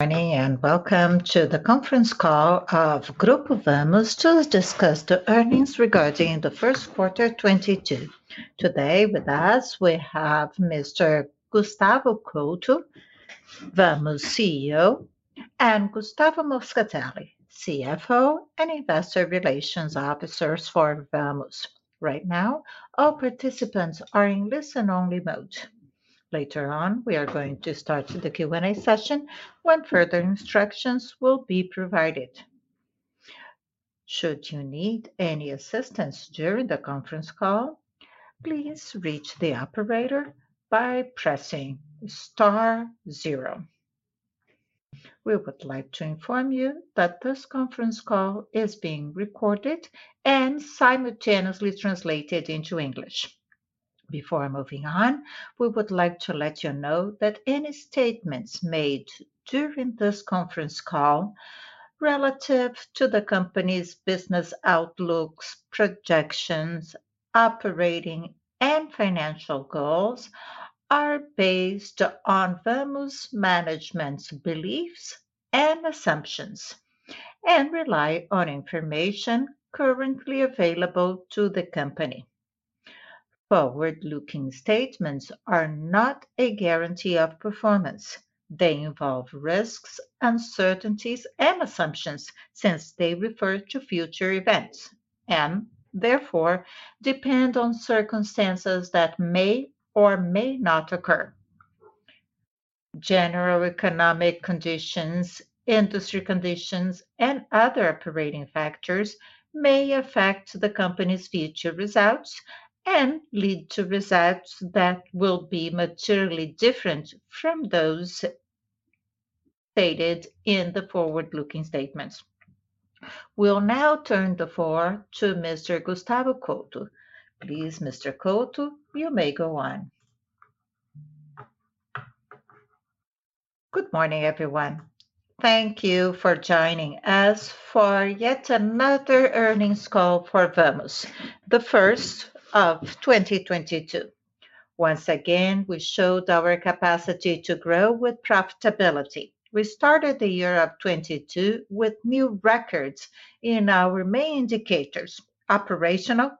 Good morning and welcome to the conference call of Grupo Vamos to discuss the earnings regarding the first quarter 2022. Today with us we have Mr. Gustavo Couto, Vamos CEO, and Gustavo Moscatelli, CFO and Investor Relations Officer for Vamos. Right now, all participants are in listen only mode. Later on, we are going to start the Q&A session when further instructions will be provided. Should you need any assistance during the conference call, please reach the operator by pressing star zero. We would like to inform you that this conference call is being recorded and simultaneously translated into English. Before moving on, we would like to let you know that any statements made during this conference call relative to the company's business outlooks, projections, operating, and financial goals are based on Vamos management's beliefs and assumptions and rely on information currently available to the company. Forward-looking statements are not a guarantee of performance. They involve risks, uncertainties, and assumptions since they refer to future events and therefore depend on circumstances that may or may not occur. General economic conditions, industry conditions, and other operating factors may affect the company's future results and lead to results that will be materially different from those stated in the forward-looking statements. We will now turn the floor to Mr. Gustavo Couto. Please, Mr. Couto, you may go on. Good morning, everyone. Thank you for joining us for yet another earnings call for Vamos, the first of 2022. Once again, we showed our capacity to grow with profitability. We started the year of 2022 with new records in our main indicators, operational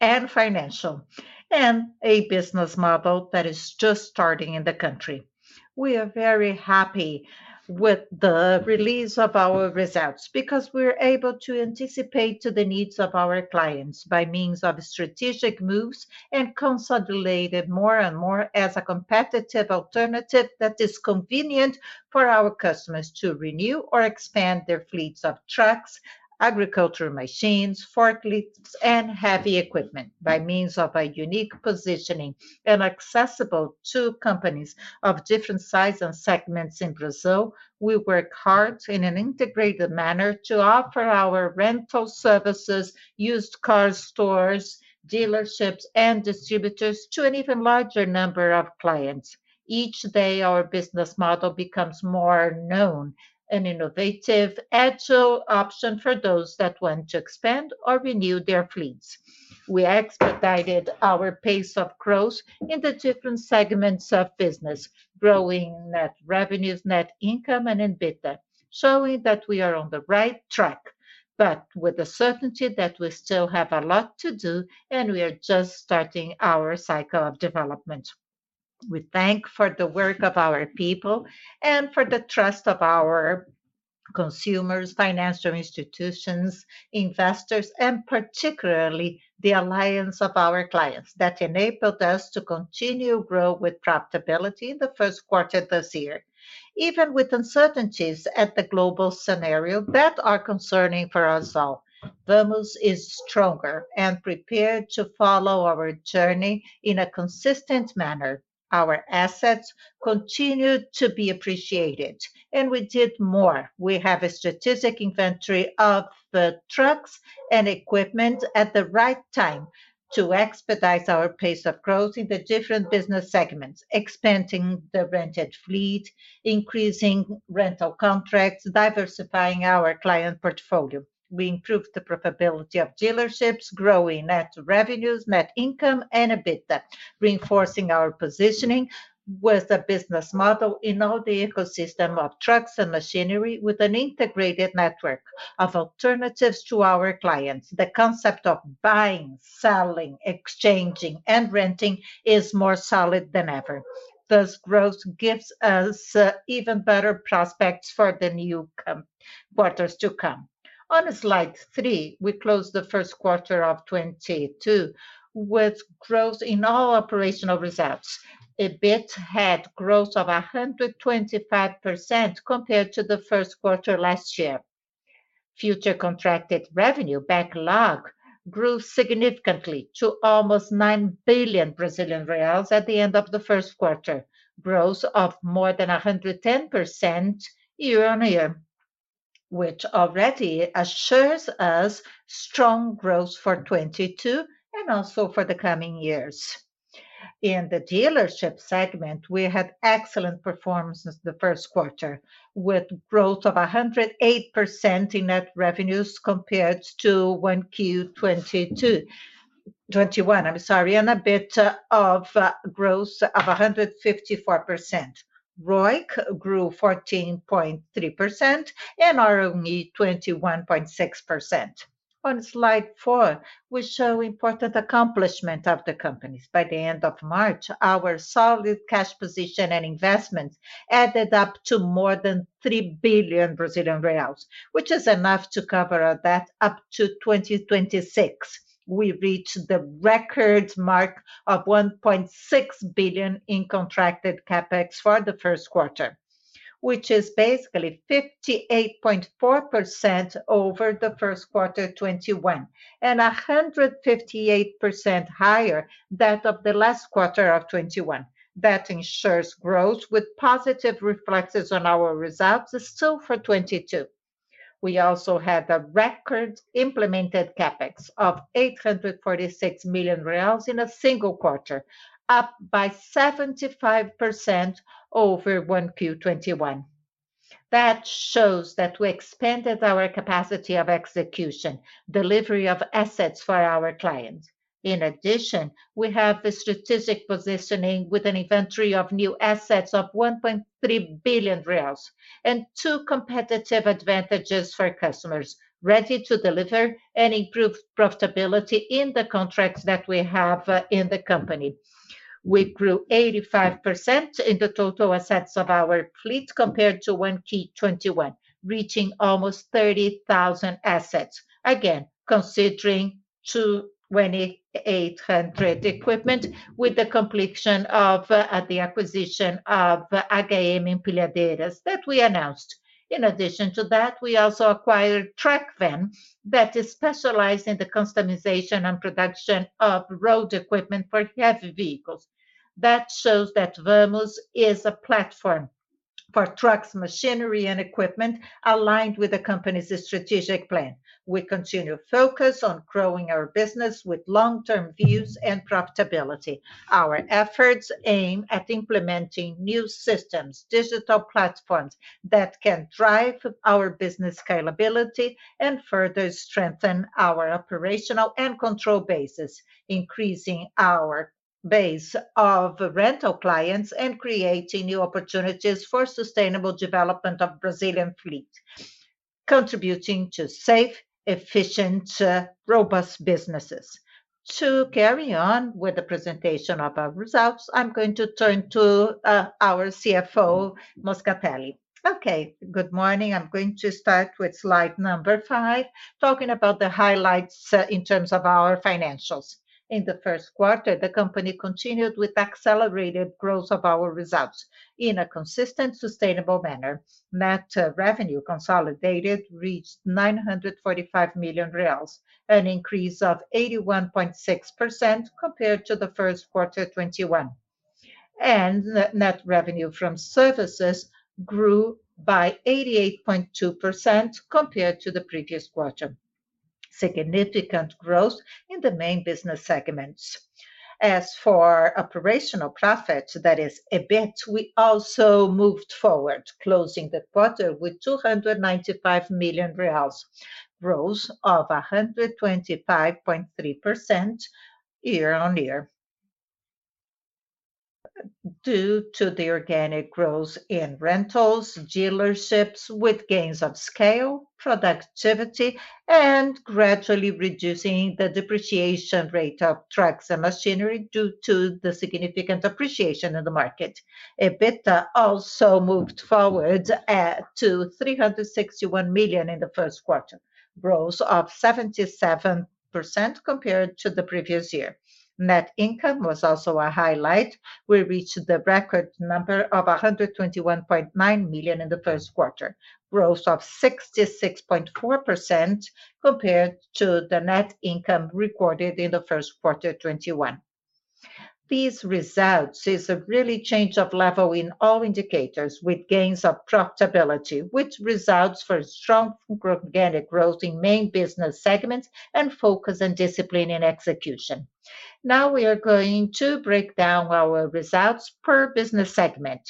and financial, and a business model that is just starting in the country. We are very happy with the release of our results because we are able to anticipate to the needs of our clients by means of strategic moves and consolidated more and more as a competitive alternative that is convenient for our customers to renew or expand their fleets of trucks, agricultural machines, forklifts, and heavy equipment. By means of a unique positioning and accessible to companies of different size and segments in Brazil, we work hard in an integrated manner to offer our rental services, used car stores, dealerships, and distributors to an even larger number of clients. Each day our business model becomes more known, an innovative, agile option for those that want to expand or renew their fleets. We expedited our pace of growth in the different segments of business, growing net revenues, net income and EBITDA, showing that we are on the right track, but with the certainty that we still have a lot to do and we are just starting our cycle of development. We thank for the work of our people and for the trust of our consumers, financial institutions, investors, and particularly the alliance of our clients that enabled us to continue grow with profitability in the first quarter this year. Even with uncertainties at the global scenario that are concerning for us all, Vamos is stronger and prepared to follow our journey in a consistent manner. Our assets continue to be appreciated, and we did more. We have a strategic inventory of the trucks and equipment at the right time to expedite our pace of growth in the different business segments, expanding the rented fleet, increasing rental contracts, diversifying our client portfolio. We improved the profitability of dealerships, growing net revenues, net income and EBITDA. Reinforcing our positioning with the business model in all the ecosystem of trucks and machinery with an integrated network of alternatives to our clients. The concept of buying, selling, exchanging and renting is more solid than ever. This growth gives us even better prospects for the new quarters to come. On slide three, we closed the first quarter of 2022 with growth in all operational results. EBIT had growth of 125% compared to the first quarter last year. Future contracted revenue backlog grew significantly to almost 9 billion Brazilian reais at the end of the first quarter. Growth of more than 110% year on year, which already assures us strong growth for 2022 and also for the coming years. In the dealership segment, we had excellent performance since the first quarter, with growth of 108% in net revenues compared to 1Q 2021, I'm sorry, and EBITDA growth of 154%. ROIC grew 14.3% and ROE 21.6%. On slide four, we show important accomplishment of the companies. By the end of March, our solid cash position and investments added up to more than 3 billion Brazilian reais, which is enough to cover our debt up to 2026. We reached the record mark of 1.6 billion in contracted CapEx for the first quarter, which is basically 58.4% over the first quarter 2021, and 158% higher than that of the last quarter of 2021. That ensures growth with positive reflexes on our results still for 2022. We also had a record implemented CapEx of 846 million reais in a single quarter, up by 75% over 1Q 2021. That shows that we expanded our capacity of execution, delivery of assets for our clients. In addition, we have a strategic positioning with an inventory of new assets of 1.3 billion reais and two competitive advantages for customers ready to deliver and improve profitability in the contracts that we have in the company. We grew 85% in the total assets of our fleet compared to 1Q 2021, reaching almost 30,000 assets. Again, considering 2,800 equipment with the completion of the acquisition of HM Empilhadeiras that we announced. In addition to that, we also acquired Truckvan that is specialized in the customization and production of road equipment for heavy vehicles. That shows that Vamos is a platform for trucks, machinery, and equipment aligned with the company's strategic plan. We continue to focus on growing our business with long-term views and profitability. Our efforts aim at implementing new systems, digital platforms that can drive our business scalability and further strengthen our operational and control bases, increasing our base of rental clients and creating new opportunities for sustainable development of Brazilian fleet, contributing to safe, efficient, robust businesses. To carry on with the presentation of our results, I'm going to turn to our CFO, Moscatelli. Okay, good morning. I'm going to start with slide number five, talking about the highlights in terms of our financials. In the first quarter, the company continued with accelerated growth of our results in a consistent, sustainable manner. Net revenue consolidated reached 945 million reais, an increase of 81.6% compared to the first quarter 2021. And net revenue from services grew by 88.2% compared to the previous quarter. Significant growth in the main business segments. As for operational profits, that is EBIT, we also moved forward, closing the quarter with 295 million reais, growth of 125.3% year-on-year. Due to the organic growth in rentals, dealerships with gains of scale, productivity, and gradually reducing the depreciation rate of trucks and machinery due to the significant appreciation in the market. EBITDA also moved forward to 361 million in the first quarter, growth of 77% compared to the previous year. Net income was also a highlight. We reached the record number of 121.9 million in the first quarter, growth of 66.4% compared to the net income recorded in the first quarter 2021. These results is a really change of level in all indicators with gains of profitability, which results for strong organic growth in main business segments and focus and discipline in execution. Now we are going to break down our results per business segment.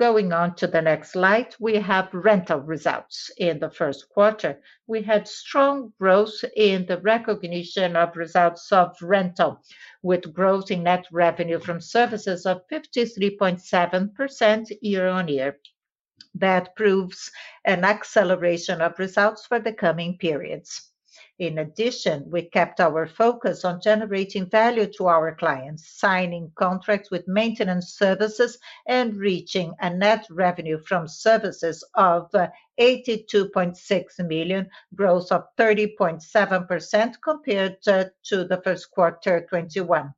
Going on to the next slide, we have rental results. In the first quarter, we had strong growth in the recognition of results of rental, with growth in net revenue from services of 53.7% year-on-year. That proves an acceleration of results for the coming periods. In addition, we kept our focus on generating value to our clients, signing contracts with maintenance services and reaching a net revenue from services of 82.6 million, growth of 30.7% compared to the first quarter 2021.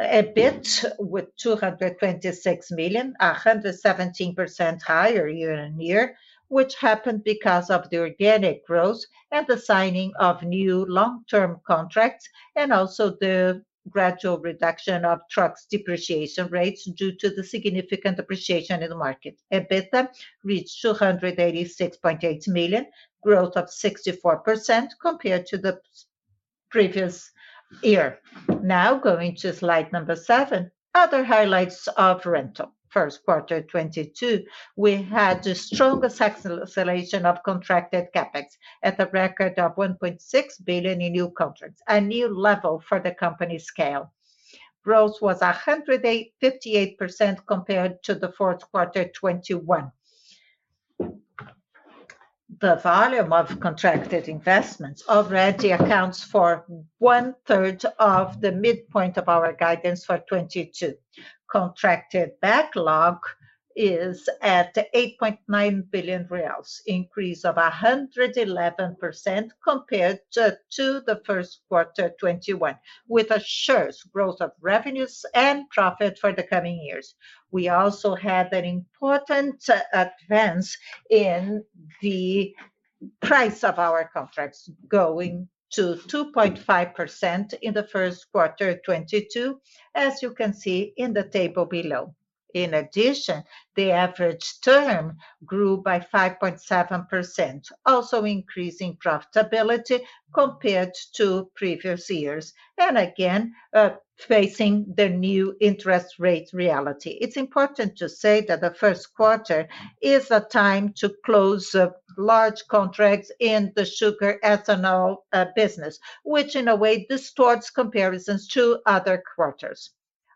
EBIT with BRL 226 million, 117% higher year-on-year, which happened because of the organic growth and the signing of new long-term contracts and also the gradual reduction of trucks depreciation rates due to the significant depreciation in the market. EBITDA reached 286.8 million, growth of 64% compared to the previous year. Now going to slide number seven, other highlights of rental first quarter 2022. We had the strongest acceleration of contracted CapEx at a record of 1.6 billion in new contracts, a new level for the company scale. Growth was 158% compared to the fourth quarter 2021. The volume of contracted investments already accounts for 1/3 of the midpoint of our guidance for 2022. Contracted backlog is at 8.9 billion reais, increase of 111% compared to the first quarter 2021, which assures growth of revenues and profit for the coming years. We also had an important advance in the price of our contracts, going to 2.5% in the first quarter 2022, as you can see in the table below. In addition, the average term grew by 5.7%, also increasing profitability compared to previous years, and again, facing the new interest rates reality. It's important to say that the first quarter is a time to close large contracts in the sugar ethanol business, which in a way distorts comparisons to other quarters.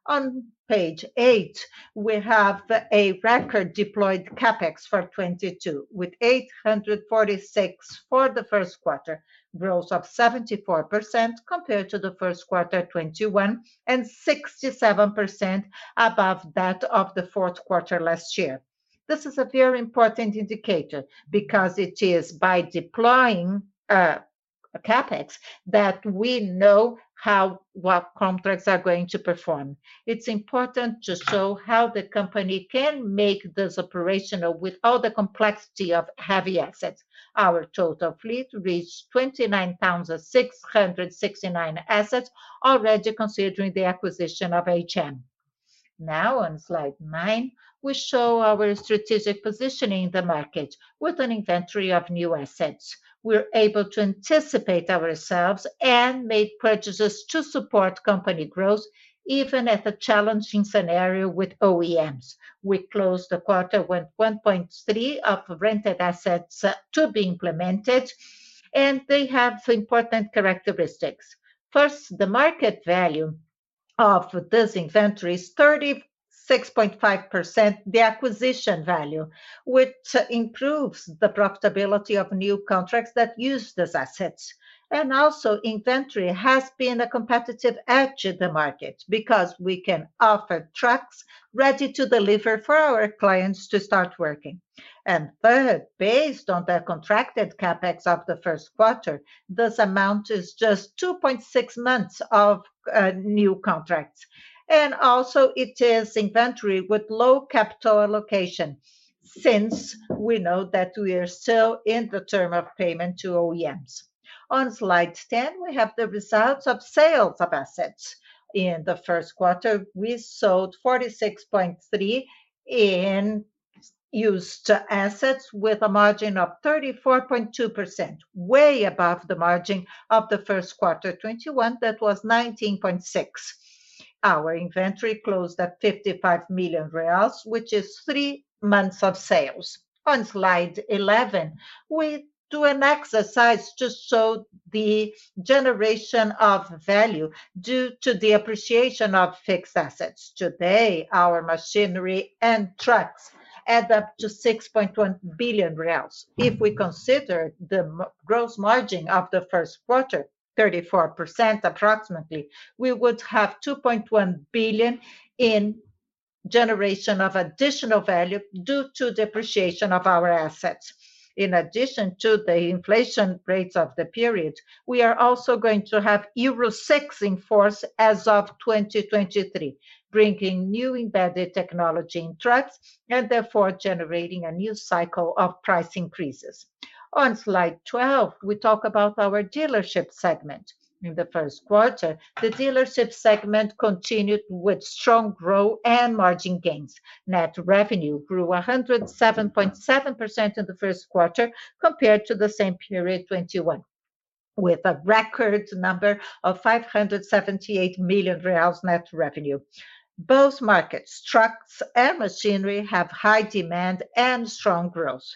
On page eight, we have a record deployed CapEx for 2022, with 846 for the first quarter, growth of 74% compared to the first quarter 2021, and 67% above that of the fourth quarter last year. This is a very important indicator because it is by deploying CapEx that we know how, what contracts are going to perform. It's important to show how the company can make this operational with all the complexity of heavy assets. Our total fleet reached 29,669 assets, already considering the acquisition of HM. Now on slide nine, we show our strategic positioning in the market with an inventory of new assets. We're able to anticipate ourselves and make purchases to support company growth, even at a challenging scenario with OEMs. We closed the quarter with 1.3 billion of rented assets to be implemented, and they have important characteristics. First, the market value of this inventory is 36.5% the acquisition value, which improves the profitability of new contracts that use these assets. Inventory has been a competitive edge in the market because we can offer trucks ready to deliver for our clients to start working. Third, based on the contracted CapEx of the first quarter, this amount is just 2.6 months of new contracts. It is inventory with low capital allocation since we know that we are still in the term of payment to OEMs. On slide 10, we have the results of sales of assets. In the first quarter, we sold 46.3 million in used assets with a margin of 34.2%, way above the margin of the first quarter 2021. That was 19.6%. Our inventory closed at 55 million reais, which is three months of sales. On slide 11, we do an exercise to show the generation of value due to the appreciation of fixed assets. Today, our machinery and trucks add up to 6.1 billion reais. If we consider the gross margin of the first quarter, 34% approximately, we would have 2.1 billion in generation of additional value due to depreciation of our assets. In addition to the inflation rates of the period, we are also going to have Euro 6 enforced as of 2023, bringing new embedded technology in trucks and therefore generating a new cycle of price increases. On slide 12, we talk about our dealership segment. In the first quarter, the dealership segment continued with strong growth and margin gains. Net revenue grew 107.7% in the first quarter compared to the same period 2021, with a record number of 578 million reais net revenue. Both markets, trucks and machinery, have high demand and strong growth.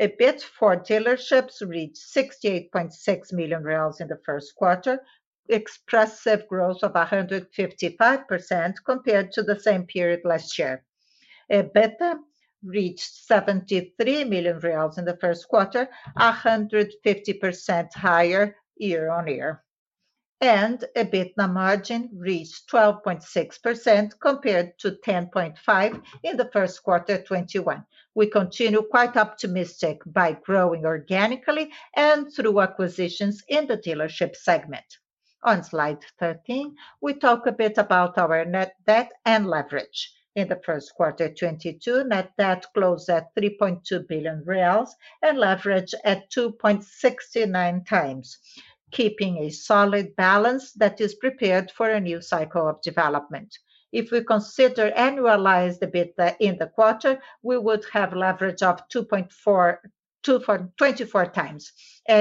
EBIT for dealerships reached 68.6 million reais in the first quarter, impressive growth of 155% compared to the same period last year. EBITDA reached 73 million reais in the first quarter, 150% higher year-on-year, and EBITDA margin reached 12.6% compared to 10.5% in the first quarter 2021. We continue quite optimistic by growing organically and through acquisitions in the dealership segment. On slide 13, we talk a bit about our net debt and leverage. In the first quarter 2022, net debt closed at 3.2 billion reais and leverage at 2.69x, keeping a solid balance that is prepared for a new cycle of development. If we consider annualized EBITDA in the quarter, we would have leverage of 2.24x.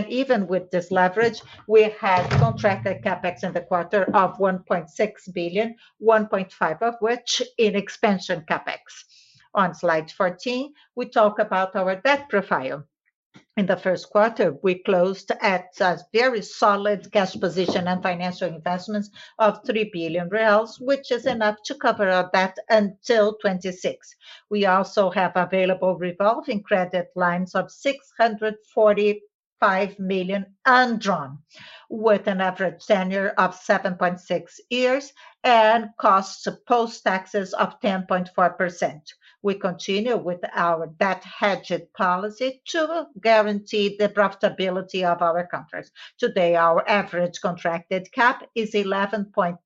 Even with this leverage, we had contracted CapEx in the quarter of 1.6 billion, 1.5 billion of which in expansion CapEx. On slide 14, we talk about our debt profile. In the first quarter, we closed at a very solid cash position and financial investments of 3 billion reais, which is enough to cover our debt until 2026. We also have available revolving credit lines of 645 million undrawn, with an average tenure of 7.6 years and costs post taxes of 10.4%. We continue with our debt hedged policy to guarantee the profitability of our contracts. Today, our average contracted CAP is 11.9%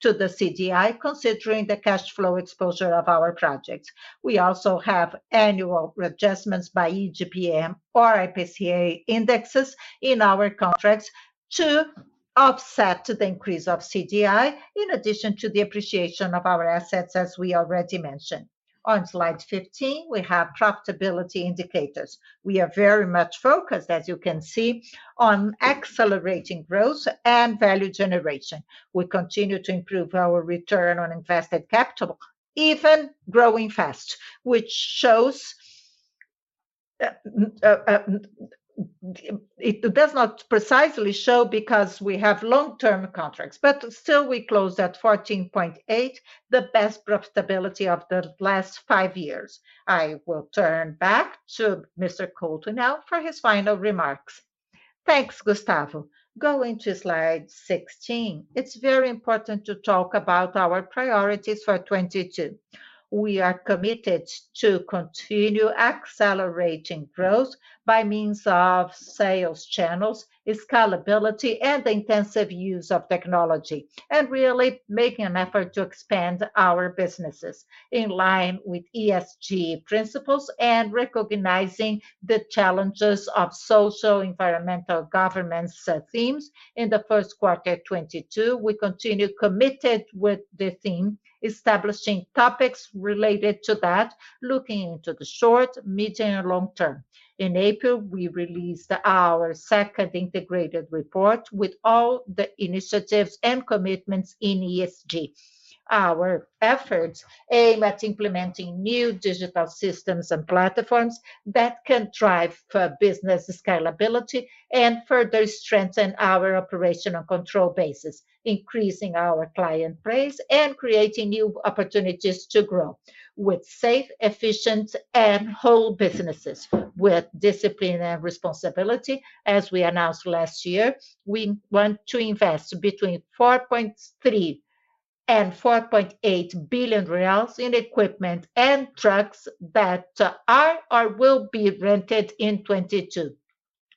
to the CDI, considering the cash flow exposure of our projects. We also have annual adjustments by IGP-M or IPCA indexes in our contracts to offset the increase of CDI, in addition to the appreciation of our assets as we already mentioned. On slide 15, we have profitability indicators. We are very much focused, as you can see, on accelerating growth and value generation. We continue to improve our return on invested capital, even growing fast, which shows it does not precisely show because we have long-term contracts, but still we closed at 14.8%, the best profitability of the last five years. I will turn back to Mr. Couto now for his final remarks. Thanks, Gustavo. Going to slide 16, it's very important to talk about our priorities for 2022. We are committed to continue accelerating growth by means of sales channels, scalability and the intensive use of technology, and really making an effort to expand our businesses in line with ESG principles and recognizing the challenges of social environmental governance themes. In the first quarter 2022, we continue committed with the theme, establishing topics related to that, looking into the short, medium and long term. In April, we released our second integrated report with all the initiatives and commitments in ESG. Our efforts aim at implementing new digital systems and platforms that can drive for business scalability and further strengthen our operational control bases, increasing our client base and creating new opportunities to grow with safe, efficient and whole businesses. With discipline and responsibility, as we announced last year, we want to invest between 4.3 billion and 4.8 billion reais in equipment and trucks that are or will be rented in 2022.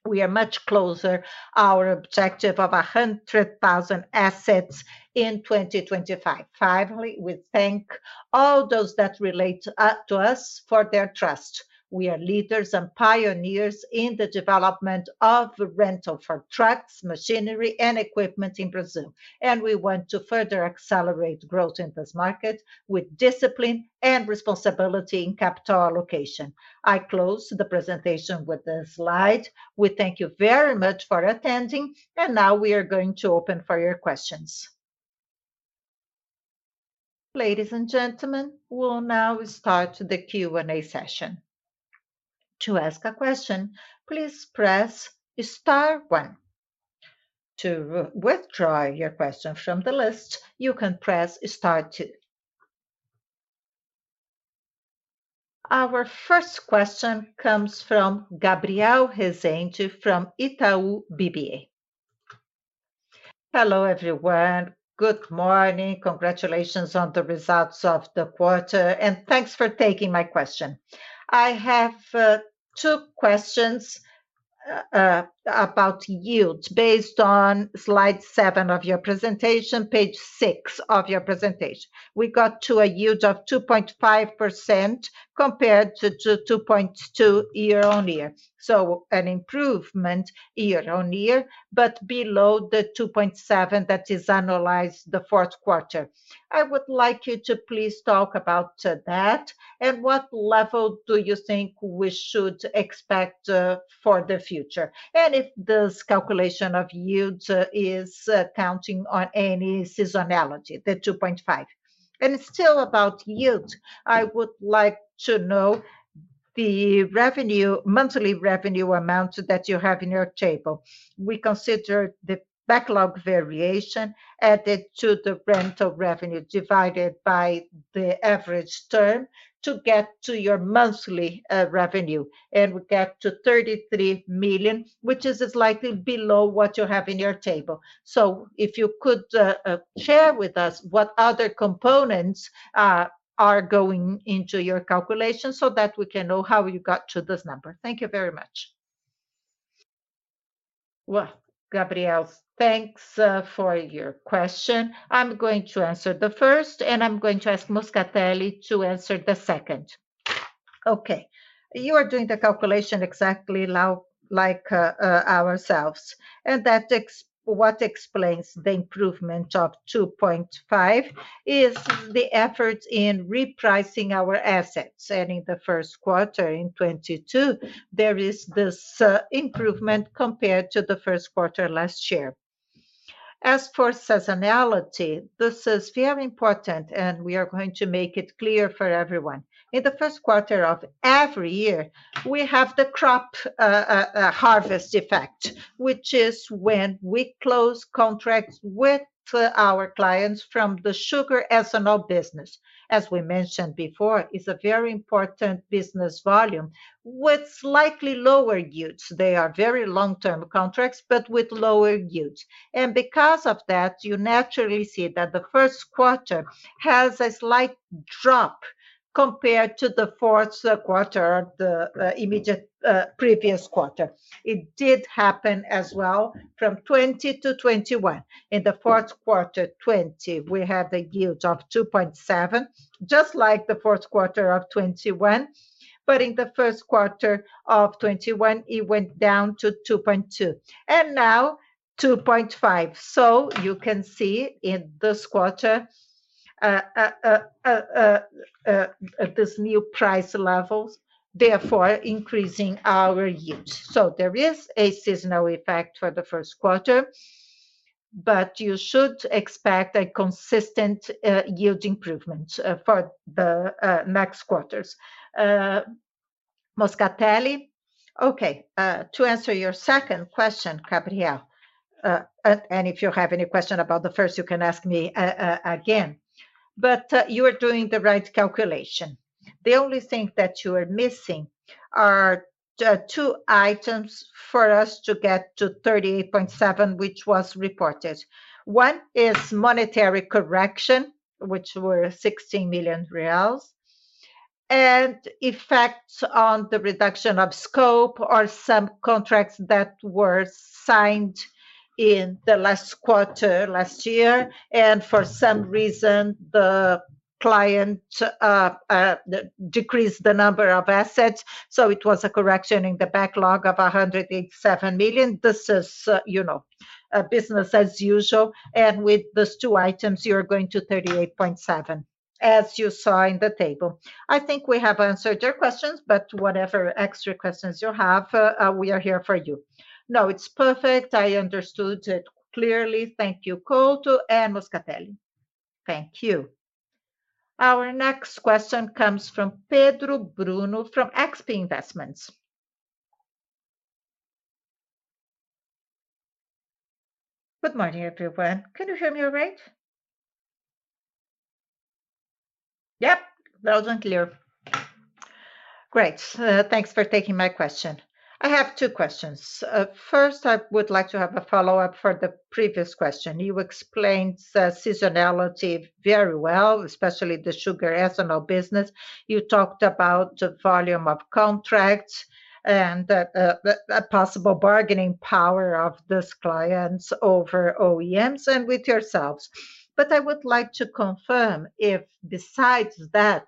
We are much closer our objective of 100,000 assets in 2025. Finally, we thank all those that relate to us for their trust. We are leaders and pioneers in the development of rental for trucks, machinery and equipment in Brazil, and we want to further accelerate growth in this market with discipline and responsibility in capital allocation. I close the presentation with this slide. We thank you very much for attending, and now we are going to open for your questions. Ladies and gentlemen, we'll now start the Q&A session. To ask a question, please press star one. To withdraw your question from the list, you can press star two. Our first question comes from Gabriel Rezende from Itaú BBA. Hello, everyone. Good morning. Congratulations on the results of the quarter, and thanks for taking my question. I have two questions about yields based on slide seven of your presentation, page six of your presentation. We got to a yield of 2.5% compared to 2.2% year-on-year. An improvement year-on-year, but below the 2.7% that is analyzed the fourth quarter. I would like you to please talk about that and what level do you think we should expect for the future. If this calculation of yields is counting on any seasonality, the 2.5%. Still about yields, I would like to know the monthly revenue amount that you have in your table. We consider the backlog variation added to the rental revenue divided by the average term to get to your monthly revenue, and we get to 33 million, which is slightly below what you have in your table. If you could share with us what other components are going into your calculation so that we can know how you got to this number. Thank you very much. Well, Gabriel, thanks for your question. I'm going to answer the first, and I'm going to ask Moscatelli to answer the second. Okay. You are doing the calculation exactly like ourselves. That explains the improvement of 2.5% is the efforts in repricing our assets. In the first quarter in 2022, there is this improvement compared to the first quarter last year. As for seasonality, this is very important, and we are going to make it clear for everyone. In the first quarter of every year, we have the crop harvest effect, which is when we close contracts with our clients from the sugar ethanol business. As we mentioned before, it's a very important business volume with slightly lower yields. They are very long-term contracts but with lower yields. Because of that, you naturally see that the first quarter has a slight drop compared to the fourth quarter, the immediate previous quarter. It did happen as well from 2020 to 2021. In the fourth quarter 2020, we had a yield of 2.7%, just like the fourth quarter of 2021. In the first quarter of 2021, it went down to 2.2%, and now 2.5%. You can see in this quarter, this new price levels, therefore increasing our yields. There is a seasonal effect for the first quarter, but you should expect a consistent yield improvement for the next quarters. Moscatelli? Okay. To answer your second question, Gabriel, and if you have any question about the first you can ask me again. You are doing the right calculation. The only thing that you are missing are the two items for us to get to 38.7%, which was reported. One is monetary correction, which were 16 million reais, and effects on the reduction of scope or some contracts that were signed in the last quarter last year and for some reason the client decreased the number of assets. It was a correction in the backlog of 187 million. This is, you know, business as usual, and with these two items you're going to 38.7 million, as you saw in the table. I think we have answered your questions, but whatever extra questions you have, we are here for you. No, it's perfect. I understood it clearly. Thank you, Couto and Moscatelli. Thank you. Our next question comes from Pedro Bruno from XP Investimentos. Good morning, everyone. Can you hear me all right? Yep. Loud and clear. Great. Thanks for taking my question. I have two questions. First I would like to have a follow-up for the previous question. You explained seasonality very well, especially the sugar ethanol business. You talked about the volume of contracts and the a possible bargaining power of these clients over OEMs and with yourselves. But I would like to confirm if besides that,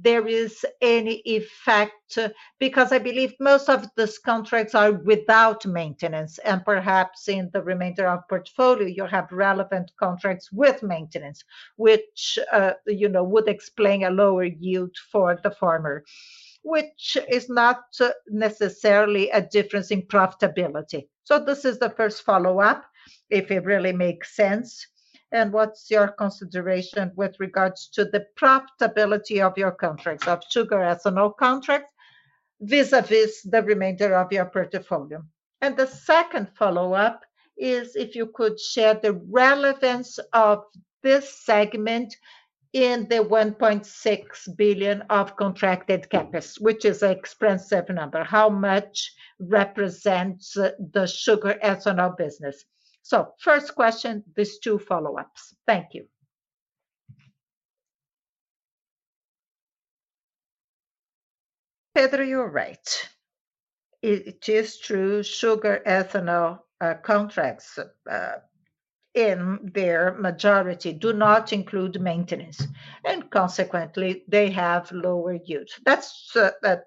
there is any effect, because I believe most of these contracts are without maintenance, and perhaps in the remainder of portfolio you have relevant contracts with maintenance, which, you know, would explain a lower yield for the farmer, which is not necessarily a difference in profitability. This is the first follow-up, if it really makes sense, and what's your consideration with regards to the profitability of your contracts, of sugar ethanol contracts, vis-a-vis the remainder of your portfolio. The second follow-up is if you could share the relevance of this segment in the 1.6 billion of contracted CapEx, which is a expensive number. How much represents the sugar-ethanol business? First question, these two follow-ups. Thank you. Pedro, you're right. It is true sugar-ethanol contracts in their majority do not include maintenance, and consequently they have lower yields. That's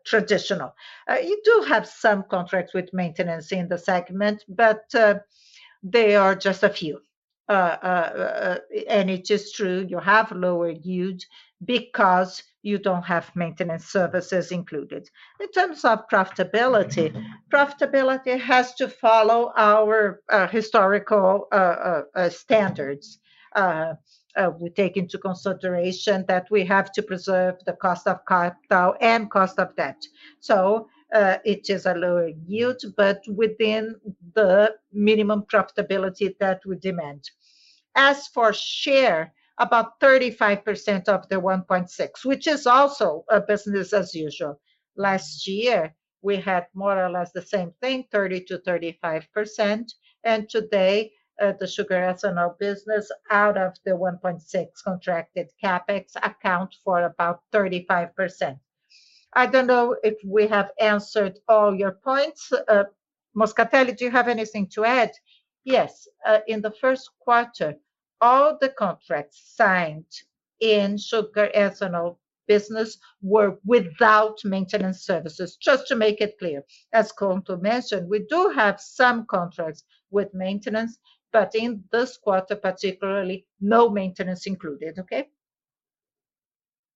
traditional. You do have some contracts with maintenance in the segment, but they are just a few. And it is true you have lower yields because you don't have maintenance services included. In terms of profitability has to follow our standards. We take into consideration that we have to preserve the cost of capital and cost of debt. It is a lower yield, but within the minimum profitability that we demand. As for share, about 35% of the 1.6 billion, which is also a business as usual. Last year we had more or less the same thing, 30%-35%, and today, the sugar-ethanol business out of the 1.6 billion contracted CapEx account for about 35%. I don't know if we have answered all your points. Moscatelli, do you have anything to add? Yes. In the first quarter, all the contracts signed in sugar-ethanol business were without maintenance services, just to make it clear. As Couto mentioned, we do have some contracts with maintenance, but in this quarter particularly, no maintenance included. Okay?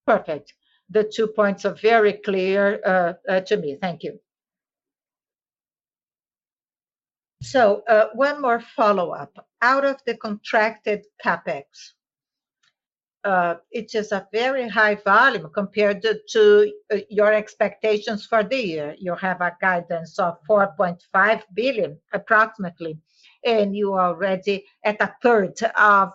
Perfect. The two points are very clear to me. Thank you. One more follow-up. Out of the contracted CapEx, it is a very high volume compared to your expectations for the year. You have a guidance of 4.5 billion approximately, and you are already at a third of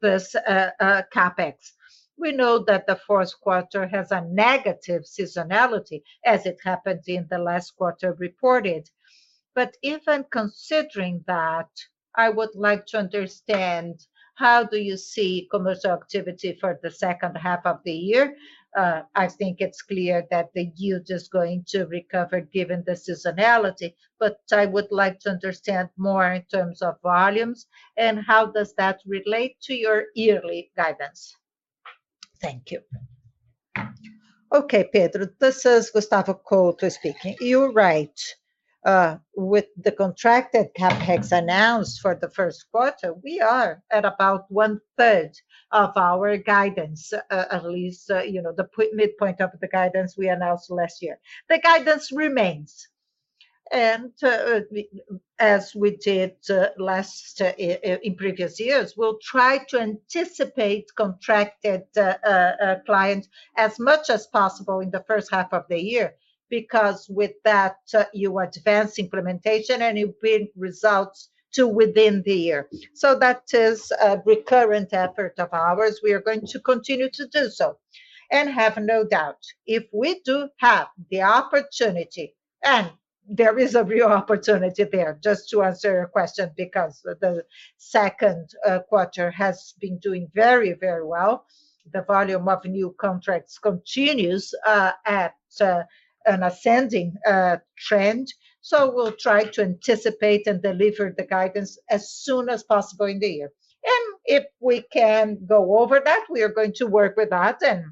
this CapEx. We know that the fourth quarter has a negative seasonality, as it happened in the last quarter reported. Even considering that, I would like to understand how you see commercial activity for the second half of the year. I think it's clear that the yield is going to recover given the seasonality, but I would like to understand more in terms of volumes, and how does that relate to your yearly guidance? Thank you. Okay, Pedro, this is Gustavo Couto speaking. You're right. With the contracted CapEx announced for the first quarter, we are at about 1/3 of our guidance, at least, you know, the mid-point of the guidance we announced last year. The guidance remains. As we did in previous years, we'll try to anticipate contracted clients as much as possible in the first half of the year. Because with that, you advance implementation and you bring results to within the year. That is a recurrent effort of ours. We are going to continue to do so. Have no doubt, if we do have the opportunity, and there is a real opportunity there, just to answer your question, because the second quarter has been doing very, very well. The volume of new contracts continues at an ascending trend. We'll try to anticipate and deliver the guidance as soon as possible in the year. If we can go over that, we are going to work with that, and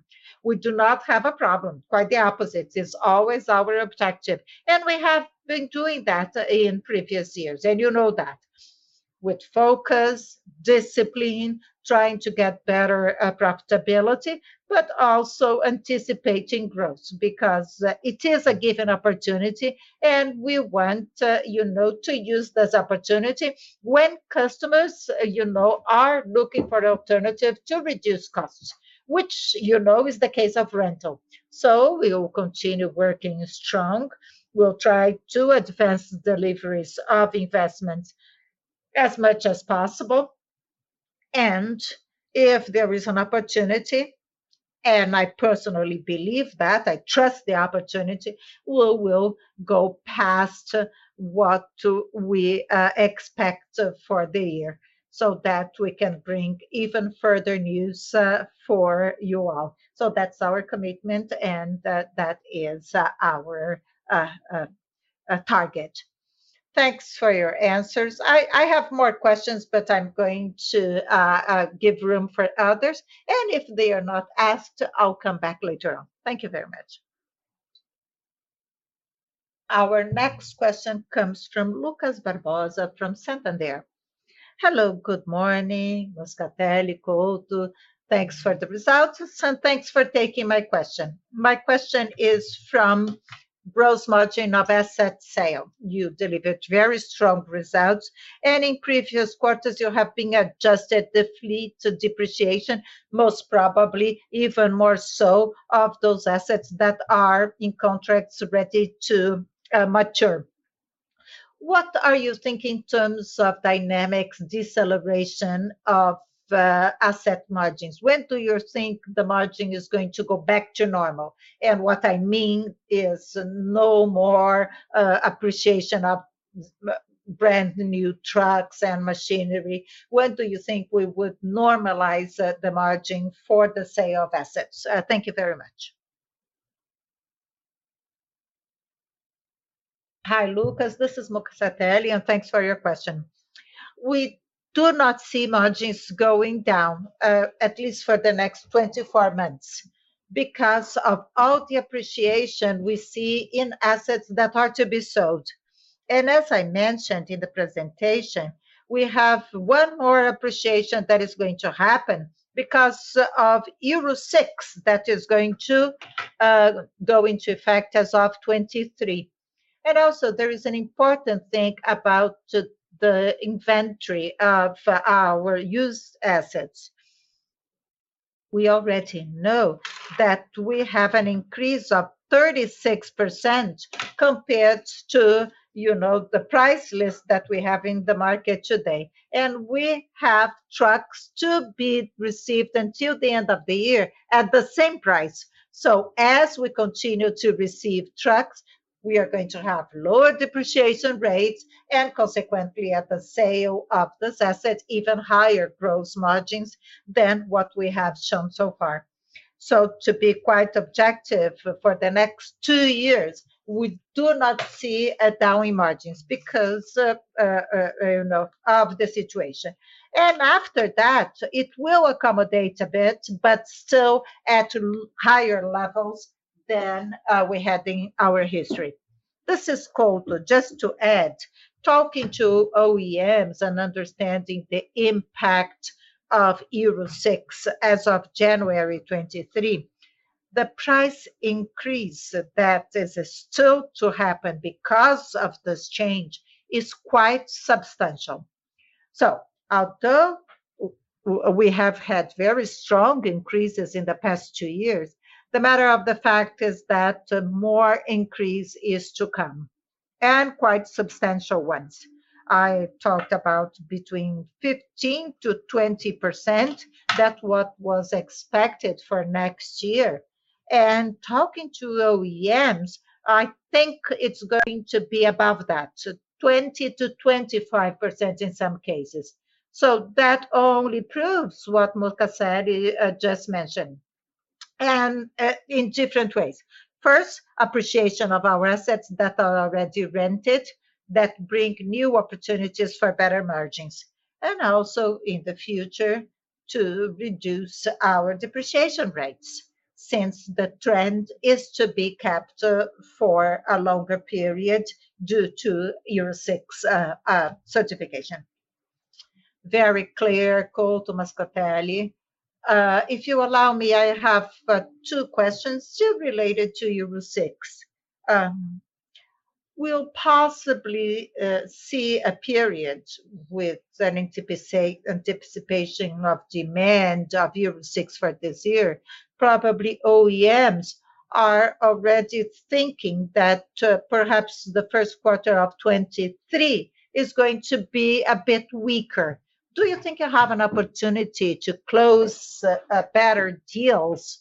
we do not have a problem. Quite the opposite. It's always our objective, and we have been doing that in previous years. You know that. With focus, discipline, trying to get better profitability, but also anticipating growth. Because it is a given opportunity, and we want you know to use this opportunity when customers you know are looking for alternative to reduce costs, which you know is the case of rental. We will continue working strong. We'll try to advance deliveries of investment as much as possible. If there is an opportunity, and I personally believe that, I trust the opportunity, we will go past what we expect for the year, so that we can bring even further news for you all. That's our commitment, and that is our target. Thanks for your answers. I have more questions, but I'm going to give room for others. If they are not asked, I'll come back later on. Thank you very much. Our next question comes from Lucas Barbosa from Santander. Hello. Good morning, Moscatelli, Couto. Thanks for the results, and thanks for taking my question. My question is from gross margin of asset sale. You delivered very strong results, and in previous quarters you have been adjusting the fleet depreciation, most probably even more so of those assets that are in contracts ready to mature. What are you thinking in terms of dynamics of deceleration of asset margins? When do you think the margin is going to go back to normal? What I mean is no more appreciation of brand new trucks and machinery. When do you think we would normalize the margin for the sale of assets? Thank you very much. Hi, Lucas. This is Moscatelli, and thanks for your question. We do not see margins going down at least for the next 24 months because of all the appreciation we see in assets that are to be sold. As I mentioned in the presentation, we have one more appreciation that is going to happen because of Euro 6 that is going to go into effect as of 2023. Also, there is an important thing about the inventory of our used assets. We already know that we have an increase of 36% compared to, you know, the price list that we have in the market today. We have trucks to be received until the end of the year at the same price. As we continue to receive trucks, we are going to have lower depreciation rates, and consequently, at the sale of this asset, even higher gross margins than what we have shown so far. To be quite objective, for the next two years, we do not see a downturn in margins because, you know, of the situation. After that, it will accommodate a bit, but still at higher levels than we had in our history. This is Couto. Just to add, talking to OEMs and understanding the impact of Euro 6 as of January 2023, the price increase that is still to happen because of this change is quite substantial. Although we have had very strong increases in the past two years, the fact of the matter is that more increase is to come, and quite substantial ones. I talked about between 15%-20%, than what was expected for next year. Talking to OEMs, I think it's going to be above that, so 20%-25% in some cases. That only proves what Moscatelli said, just mentioned, and, in different ways. First, appreciation of our assets that are already rented that bring new opportunities for better margins. Also in the future to reduce our depreciation rates, since the trend is to be kept for a longer period due to Euro 6 certification. Very clear, Couto, Moscatelli. If you allow me, I have two questions still related to Euro 6. We'll possibly see a period with anticipation of demand of Euro 6 for this year. Probably OEMs are already thinking that, perhaps the first quarter of 2023 is going to be a bit weaker. Do you think you have an opportunity to close better deals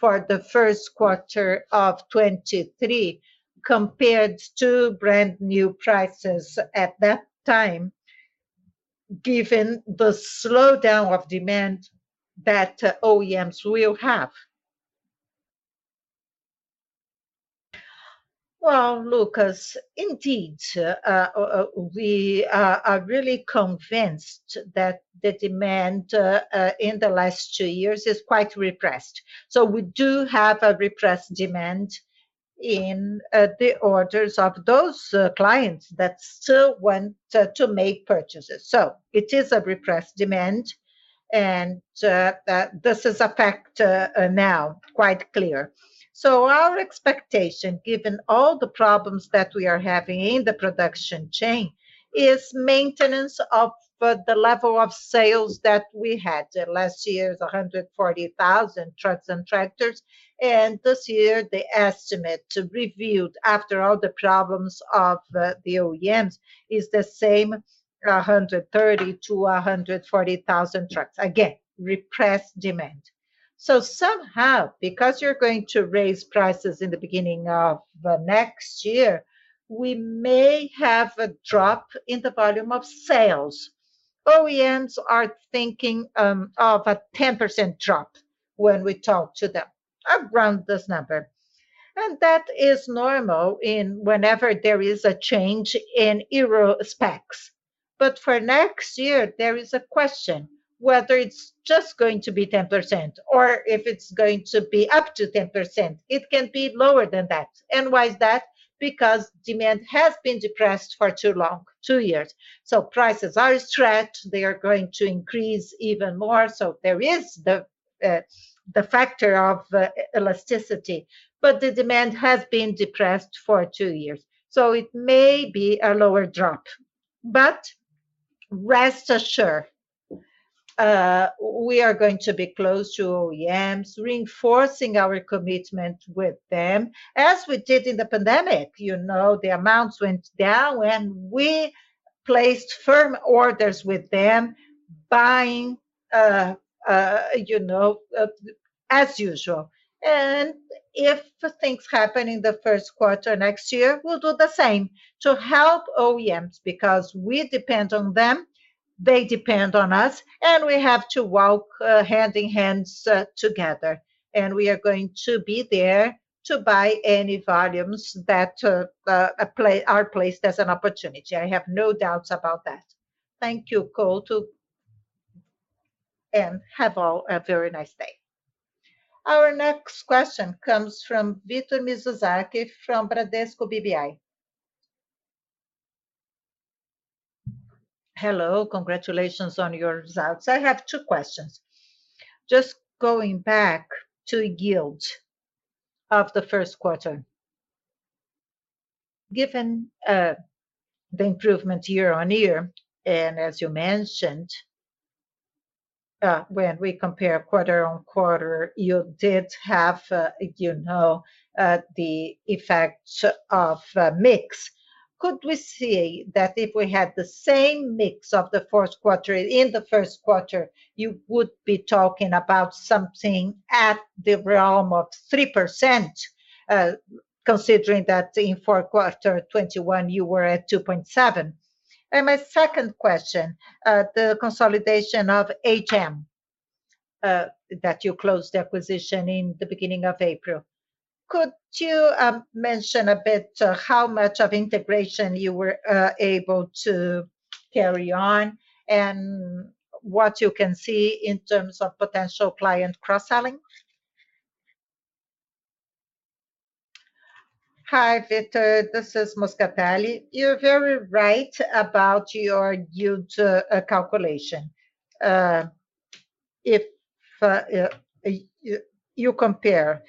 for the first quarter of 2023 compared to brand new prices at that time, given the slowdown of demand that OEMs will have? Well, Lucas, indeed, we are really convinced that the demand in the last two years is quite repressed. We do have a repressed demand in the orders of those clients that still want to make purchases. It is a repressed demand, and this is a factor now, quite clear. Our expectation, given all the problems that we are having in the production chain, is maintenance of the level of sales that we had. Last year is 140,000 trucks and tractors, and this year the estimate revealed after all the problems of the OEMs is the same, 130,000-140,000 trucks. Again, depressed demand. Somehow, because you're going to raise prices in the beginning of the next year, we may have a drop in the volume of sales. OEMs are thinking of a 10% drop when we talk to them. Around this number. That is normal in whatever there is a change in Euro specs. For next year, there is a question whether it's just going to be 10% or if it's going to be up to 10%. It can be lower than that. Why is that? Because demand has been depressed for too long, two years. Prices are stretched, they are going to increase even more, so there is the factor of elasticity, but the demand has been depressed for two years. It may be a lower drop. Rest assured, we are going to be close to OEMs, reinforcing our commitment with them, as we did in the pandemic. You know, the amounts went down and we placed firm orders with them, buying, you know, as usual. If things happen in the first quarter next year, we'll do the same to help OEMs, because we depend on them, they depend on us, and we have to walk hand in hand together. We are going to be there to buy any volumes that are placed as an opportunity. I have no doubts about that. Thank you, Couto. Have a very nice day. Our next question comes from Victor Mizusaki from Bradesco BBI. Hello, congratulations on your results. I have two questions. Just going back to yield of the first quarter. Given the improvement year-on-year, and as you mentioned, when we compare quarter-on-quarter, you did have, you know, the effects of mix. Could we see that if we had the same mix of the fourth quarter in the first quarter, you would be talking about something at the realm of 3%, considering that in fourth quarter 2021 you were at 2.7%. My second question, the consolidation of HM that you closed the acquisition in the beginning of April. Could you mention a bit how much of integration you were able to carry on and what you can see in terms of potential client cross-selling? Hi, Victor. This is Moscatelli. You're very right about your huge calculation. If you compare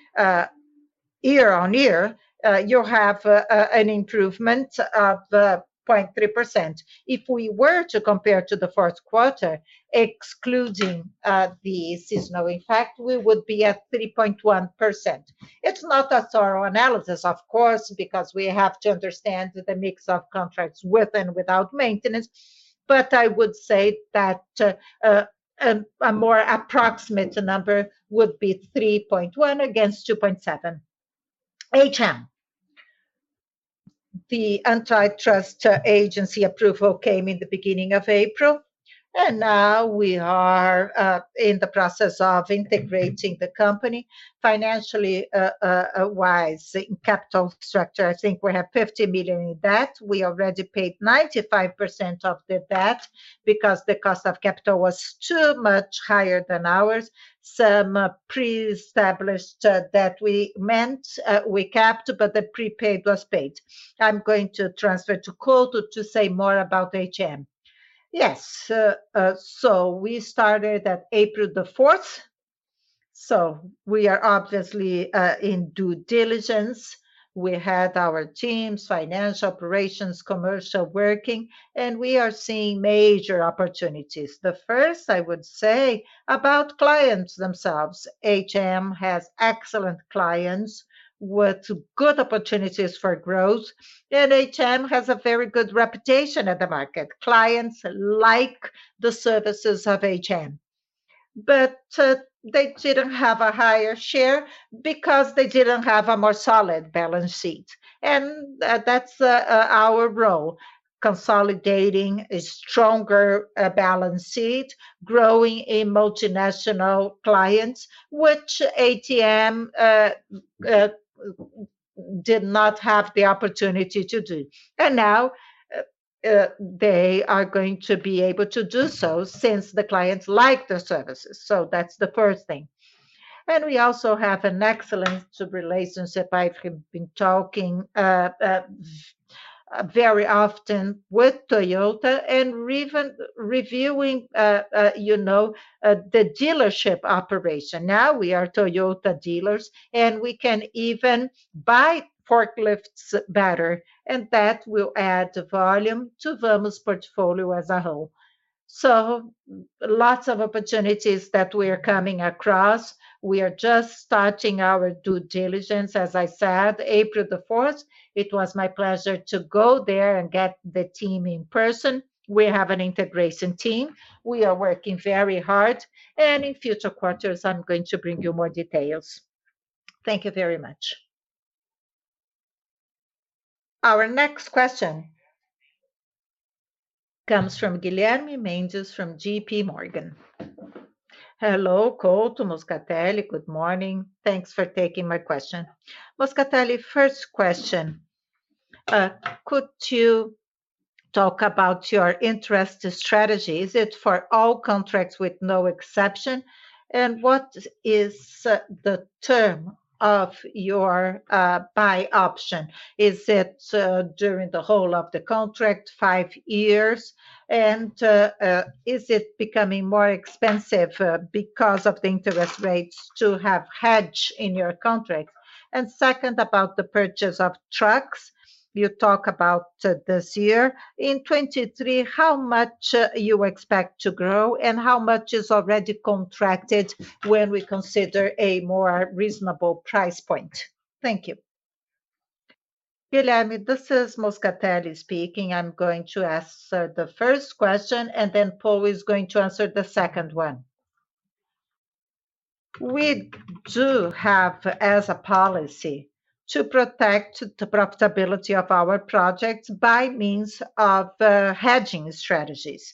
year-over-year, you have an improvement of 0.3%. If we were to compare to the fourth quarter, excluding the seasonal effect, we would be at 3.1%. It's not a thorough analysis, of course, because we have to understand the mix of contracts with and without maintenance, but I would say that a more approximate number would be 3.1% against 2.7%. About HM, the antitrust agency approval came in the beginning of April, and now we are in the process of integrating the company financially wise. In capital structure, I think we have 50 million in debt. We already paid 95% of the debt because the cost of capital was too much higher than ours. Some pre-established debt we meant we kept, but the prepaid was paid. I'm going to transfer to Couto to say more about HM. We started at April 4. We are obviously in due diligence. We had our teams, finance, operations, commercial working, and we are seeing major opportunities. The first I would say about clients themselves. HM has excellent clients with good opportunities for growth, and HM has a very good reputation at the market. Clients like the services of HM. They didn't have a higher share because they didn't have a more solid balance sheet. That's our role, consolidating a stronger balance sheet, growing a multinational clients, which HM did not have the opportunity to do. Now, they are going to be able to do so since the clients like the services. That's the first thing. We also have an excellent relationship. I've been talking very often with Toyota and reviewing, you know, the dealership operation. Now we are Toyota dealers, and we can even buy forklifts better, and that will add volume to Vamos portfolio as a whole. Lots of opportunities that we are coming across. We are just starting our due diligence. As I said, April 4th, it was my pleasure to go there and get the team in person. We have an integration team. We are working very hard. In future quarters, I'm going to bring you more details. Thank you very much. Our next question comes from Guilherme Mendes from JPMorgan. Hello, Couto, Moscatelli. Good morning. Thanks for taking my question. Moscatelli, first question. Could you talk about your interest strategy? Is it for all contracts with no exception? And what is the term of your buy option? Is it during the whole of the contract, five years? And is it becoming more expensive because of the interest rates to have hedge in your contracts? And second, about the purchase of trucks you talk about this year. In 2023, how much you expect to grow and how much is already contracted when we consider a more reasonable price point? Thank you. Guilherme, this is Moscatelli speaking. I'm going to answer the first question, and then Couto is going to answer the second one. We do have as a policy to protect the profitability of our projects by means of hedging strategies.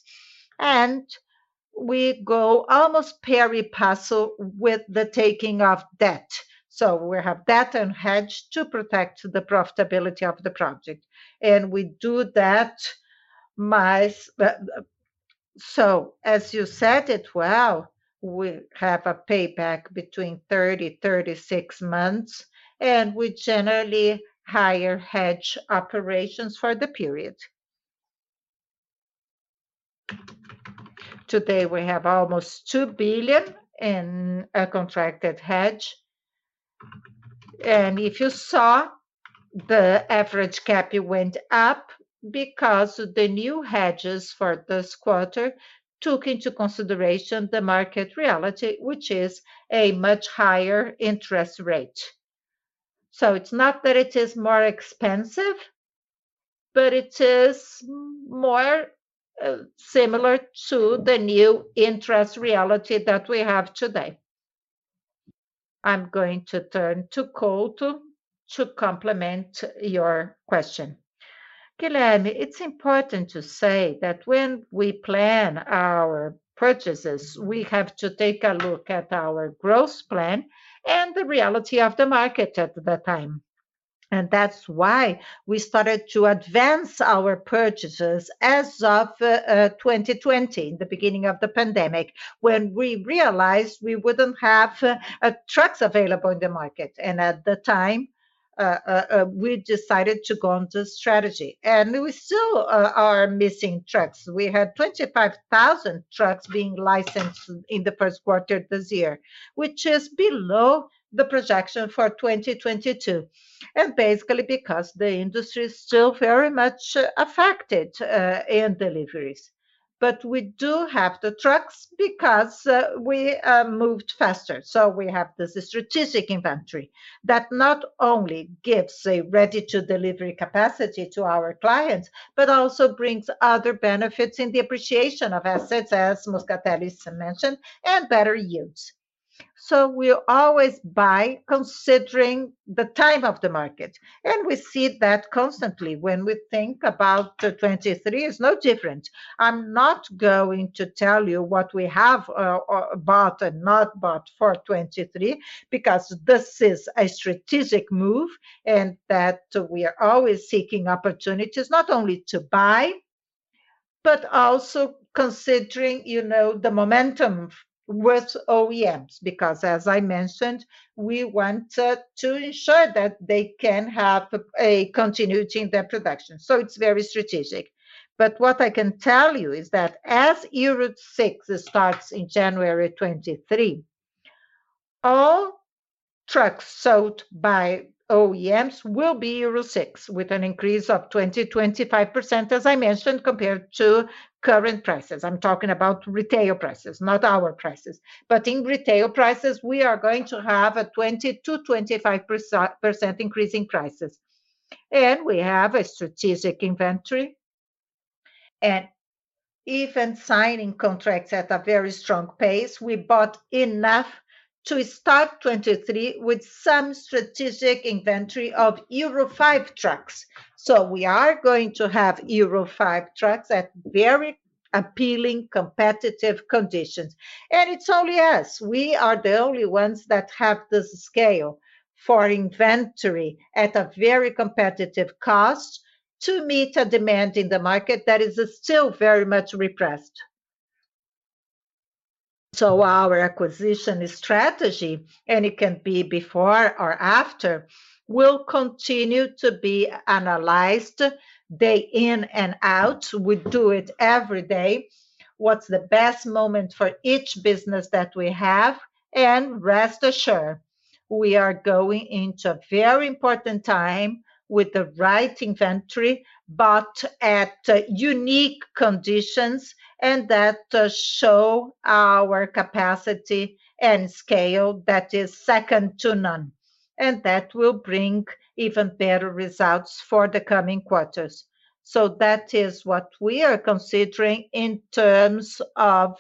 We go almost pari passu with the taking of debt. We have debt and hedge to protect the profitability of the project. We do that. As you said it well, we have a payback between 30 months, 36 months, and we generally hire hedge operations for the period. Today, we have almost 2 billion in a contracted hedge. If you saw, the average CAP went up because the new hedges for this quarter took into consideration the market reality, which is a much higher interest rate. It's not that it is more expensive, but it is more similar to the new interest reality that we have today. I'm going to turn to Couto to complement your question. Guilherme, it's important to say that when we plan our purchases, we have to take a look at our growth plan and the reality of the market at that time. That's why we started to advance our purchases as of 2020, the beginning of the pandemic, when we realized we wouldn't have trucks available in the market. At the time, we decided to go on to strategy. We still are missing trucks. We had 25,000 trucks being licensed in the first quarter this year, which is below the projection for 2022, and basically because the industry is still very much affected in deliveries. We do have the trucks because we moved faster. We have the strategic inventory that not only gives a ready-to-delivery capacity to our clients, but also brings other benefits in the appreciation of assets, as Moscatelli's mentioned, and better use. We always buy considering the time of the market, and we see that constantly. When we think about the 2023, it's no different. I'm not going to tell you what we have or bought and not bought for 2023, because this is a strategic move in that we are always seeking opportunities, not only to buy but also considering, you know, the momentum with OEMs. Because as I mentioned, we want to ensure that they can have a continuity in their production. It's very strategic. What I can tell you is that as Euro 6 starts in January 2023, all trucks sold by OEMs will be Euro 6, with an increase of 20%-25%, as I mentioned, compared to current prices. I'm talking about retail prices, not our prices. In retail prices, we are going to have a 20%-25% increase in prices. We have a strategic inventory, and even signing contracts at a very strong pace. We bought enough to start 2023 with some strategic inventory of Euro 5 trucks. We are going to have Euro 5 trucks at very appealing, competitive conditions. It's only us. We are the only ones that have the scale for inventory at a very competitive cost to meet a demand in the market that is still very much repressed. Our acquisition strategy, and it can be before or after, will continue to be analyzed day in and out. We do it every day. What's the best moment for each business that we have? Rest assured, we are going into a very important time with the right inventory, but at unique conditions and that show our capacity and scale that is second to none. That will bring even better results for the coming quarters. That is what we are considering in terms of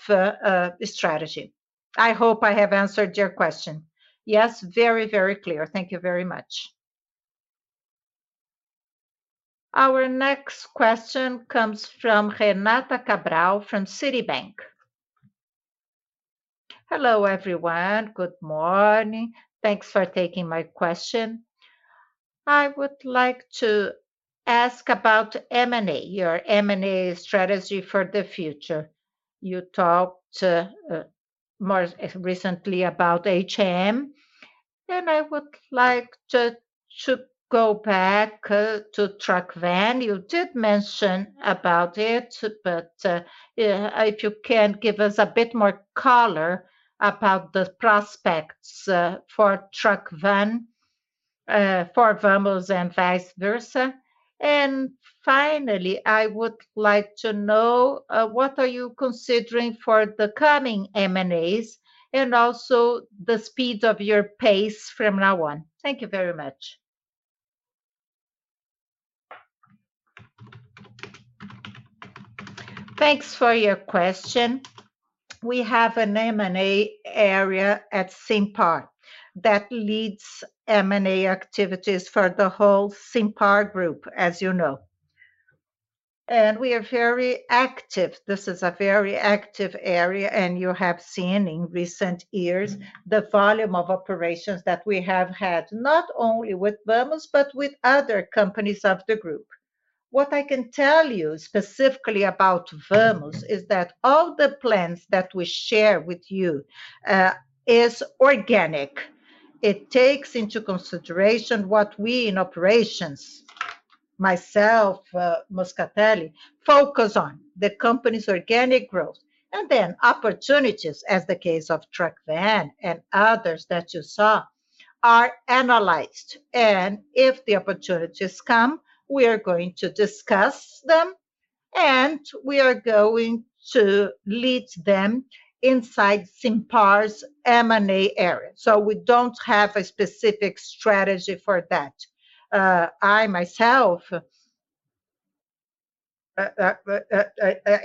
strategy. I hope I have answered your question. Yes, very, very clear. Thank you very much. Our next question comes from Renata Cabral from Citibank. Hello, everyone. Good morning. Thanks for taking my question. I would like to ask about M&A, your M&A strategy for the future. You talked more recently about HM, and I would like to go back to Truckvan. You did mention about it, but if you can give us a bit more color about the prospects for Truckvan for Vamos and vice versa. And finally, I would like to know what are you considering for the coming M&As, and also the speed of your pace from now on? Thank you very much. Thanks for your question. We have an M&A area at Simpar that leads M&A activities for the whole Simpar group, as you know. We are very active. This is a very active area, and you have seen in recent years the volume of operations that we have had, not only with Vamos, but with other companies of the group. What I can tell you specifically about Vamos is that all the plans that we share with you is organic. It takes into consideration what we in operations, myself, Moscatelli, focus on, the company's organic growth. Then opportunities, as the case of Truckvan and others that you saw, are analyzed. If the opportunities come, we are going to discuss them, and we are going to lead them inside Simpar's M&A area. We don't have a specific strategy for that. I myself,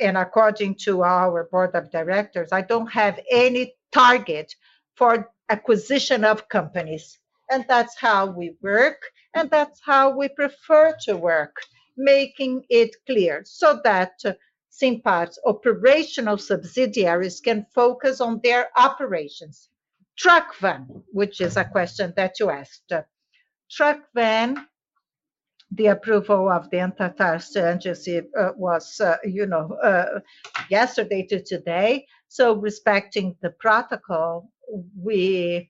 according to our board of directors, I don't have any target for acquisition of companies, and that's how we work, and that's how we prefer to work. Making it clear so that Simpar's operational subsidiaries can focus on their operations. Truckvan, which is a question that you asked. Truckvan, the approval of the antitrust agency, was, you know, yesterday to today. So respecting the protocol, we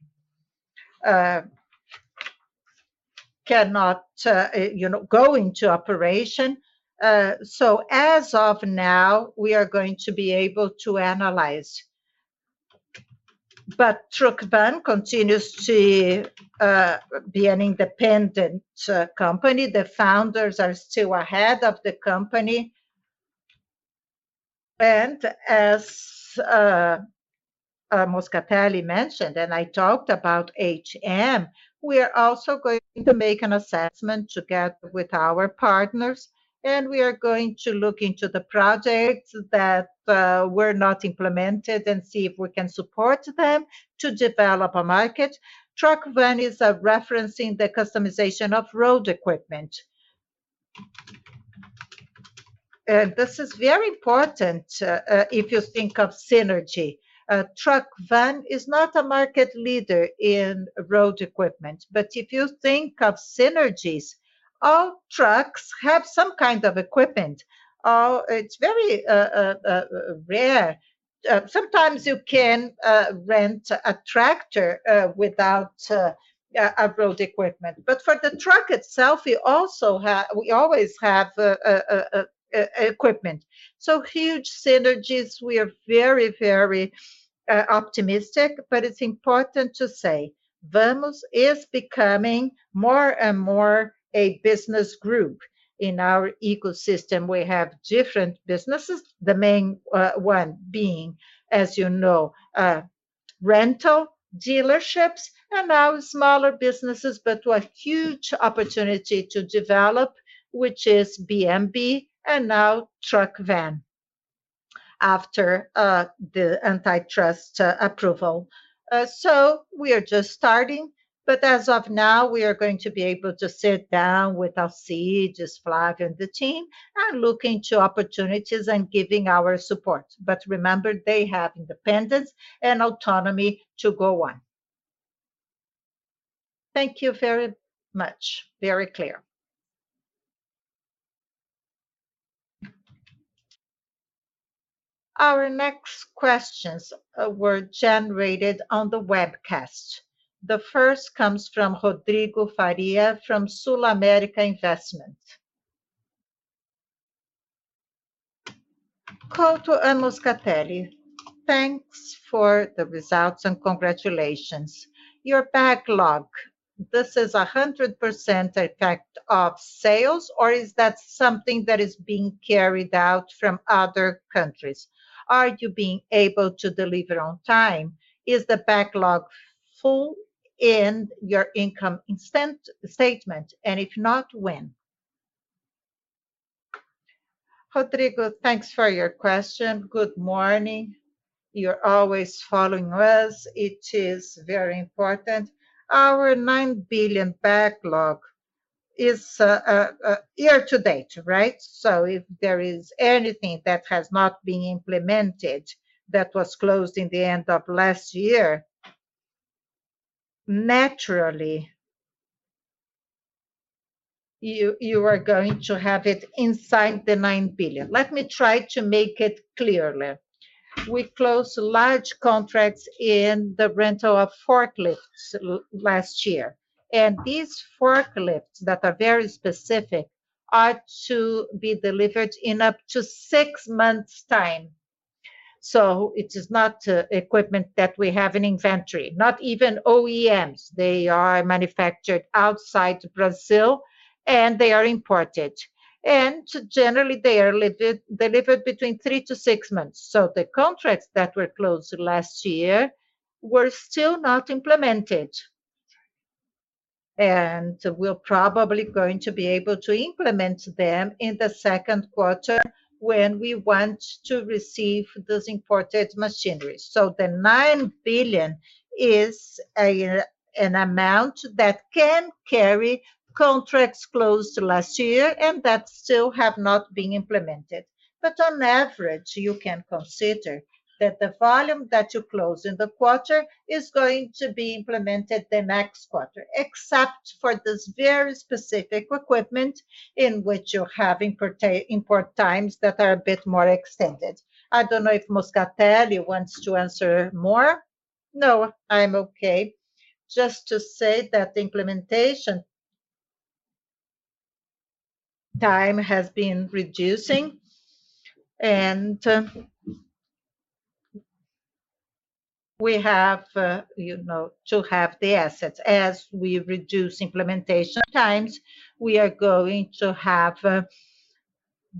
cannot, you know, go into operation. So as of now, we are going to be able to analyze. But Truckvan continues to be an independent company. The founders are still ahead of the company. As Moscatelli mentioned, and I talked about HM, we are also going to make an assessment together with our partners, and we are going to look into the projects that were not implemented and see if we can support them to develop a market. Truckvan is referencing the customization of road equipment. This is very important if you think of synergy. Truckvan is not a market leader in road equipment. If you think of synergies, all trucks have some kind of equipment. It's very rare. Sometimes you can rent a tractor without a road equipment. For the truck itself, we always have equipment. Huge synergies. We are very optimistic. It's important to say Vamos is becoming more and more a business group in our ecosystem. We have different businesses, the main one being, as you know, rental dealerships and now smaller businesses, but with huge opportunity to develop, which is BMB and now Truckvan after the antitrust approval. We are just starting, but as of now, we are going to be able to sit down with Alcides, Flavio and the team, and look into opportunities and giving our support. Remember, they have independence and autonomy to go on. Thank you very much. Very clear. Our next questions were generated on the webcast. The first comes from Rodrigo Faria from SulAmérica Investimentos. Couto and Moscatelli thanks for the results and congratulations. Your backlog, this is a 100% effect of sales, or is that something that is being carried out from other countries? Are you being able to deliver on time? Is the backlog full in your income statement? If not, when? Rodrigo, thanks for your question. Good morning. You're always following us. It is very important. Our 9 billion backlog is year to date, right? So if there is anything that has not been implemented that was closed in the end of last year, naturally you are going to have it inside the 9 billion. Let me try to make it clearer. We closed large contracts in the rental of forklifts last year. These forklifts that are very specific are to be delivered in up to six months' time. It is not equipment that we have in inventory, not even OEMs. They are manufactured outside Brazil, and they are imported. Generally, they are delivered between three to six months. The contracts that were closed last year were still not implemented. We're probably going to be able to implement them in the second quarter when we want to receive those imported machinery. The 9 billion is an amount that can carry contracts closed last year and that still have not been implemented. On average, you can consider that the volume that you close in the quarter is going to be implemented the next quarter, except for this very specific equipment in which you have import times that are a bit more extended. I don't know if Moscatelli wants to answer more. No, I'm okay. Just to say that the implementation time has been reducing, and we have you know to have the assets. As we reduce implementation times, we are going to have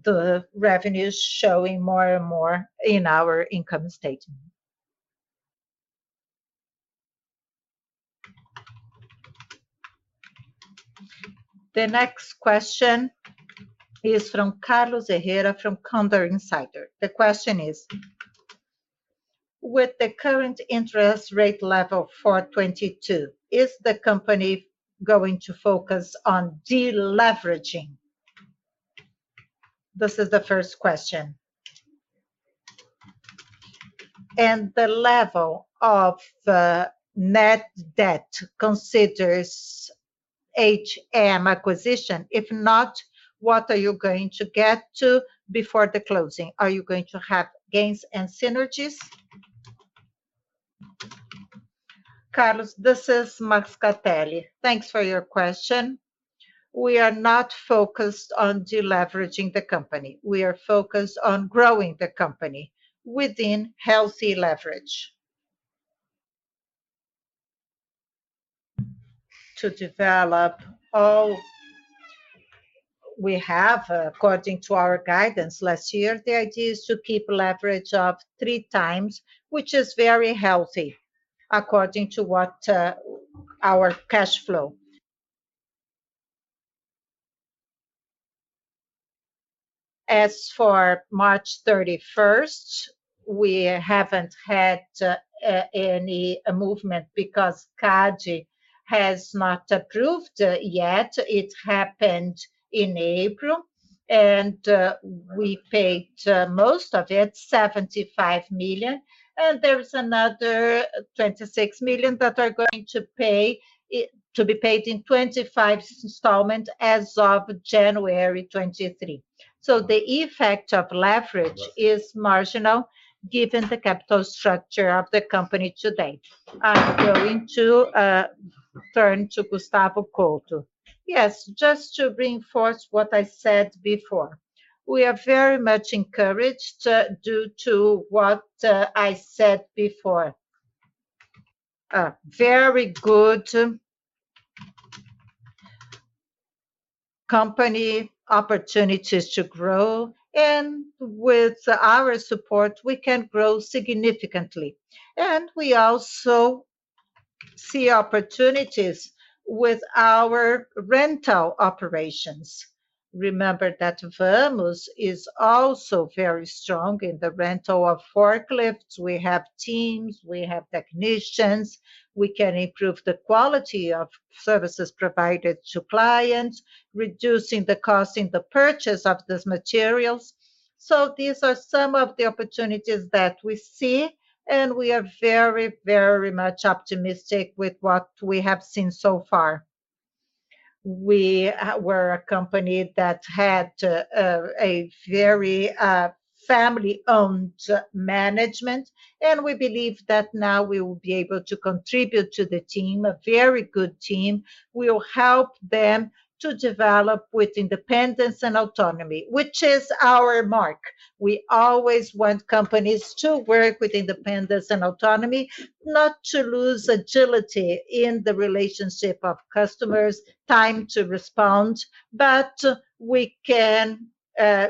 the revenues showing more and more in our income statement. The next question is from Carlos Herrera from Condor Insider. The question is with the current interest rate level for 2022, is the company going to focus on deleveraging? This is the first question. The level of the net debt considers HM acquisition. If not, what are you going to get to before the closing? Are you going to have gains and synergies? Carlos, this is Moscatelli. Thanks for your question. We are not focused on deleveraging the company. We are focused on growing the company within healthy leverage. To develop all we have according to our guidance last year, the idea is to keep leverage of 3x, which is very healthy according to our cash flow. As for March 31st, we haven't had any movement because CADE has not approved yet. It happened in April, and we paid most of it, 75 million. There is another 26 million that are to be paid in 25 installments as of January 2023. The effect of leverage is marginal given the capital structure of the company today. I'm going to turn to Gustavo Couto. Yes, just to reinforce what I said before. We are very much encouraged due to what I said before. A very good company, opportunities to grow, and with our support, we can grow significantly. We also see opportunities with our rental operations. Remember that Vamos is also very strong in the rental of forklifts. We have teams, we have technicians. We can improve the quality of services provided to clients, reducing the cost in the purchase of these materials. These are some of the opportunities that we see, and we are very, very much optimistic with what we have seen so far. We were a company that had a very family-owned management, and we believe that now we will be able to contribute to the team, a very good team. We will help them to develop with independence and autonomy, which is our mark. We always want companies to work with independence and autonomy, not to lose agility in the relationship of customers, time to respond. We can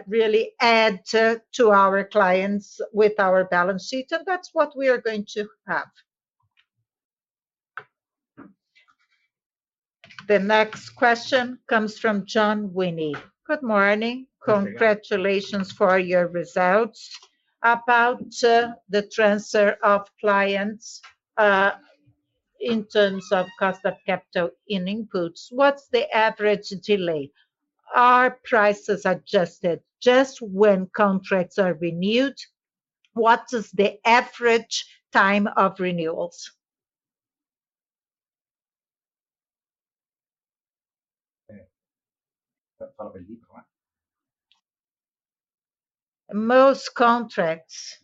really add to our clients with our balance sheet, and that's what we are going to have. The next question comes from John Winnie. Good morning. Congratulations for your results. About the transfer of clients, in terms of cost of capital in inputs, what's the average delay? Are prices adjusted just when contracts are renewed? What is the average time of renewals? Most contracts,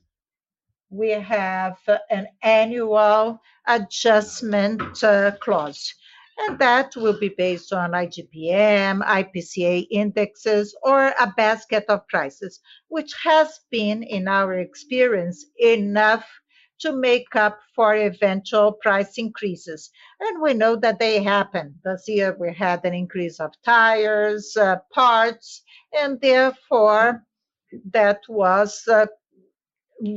we have an annual adjustment clause, and that will be based on IGP-M, IPCA indexes, or a basket of prices, which has been, in our experience, enough to make up for eventual price increases, and we know that they happen. This year we had an increase of tires, parts, and therefore, that was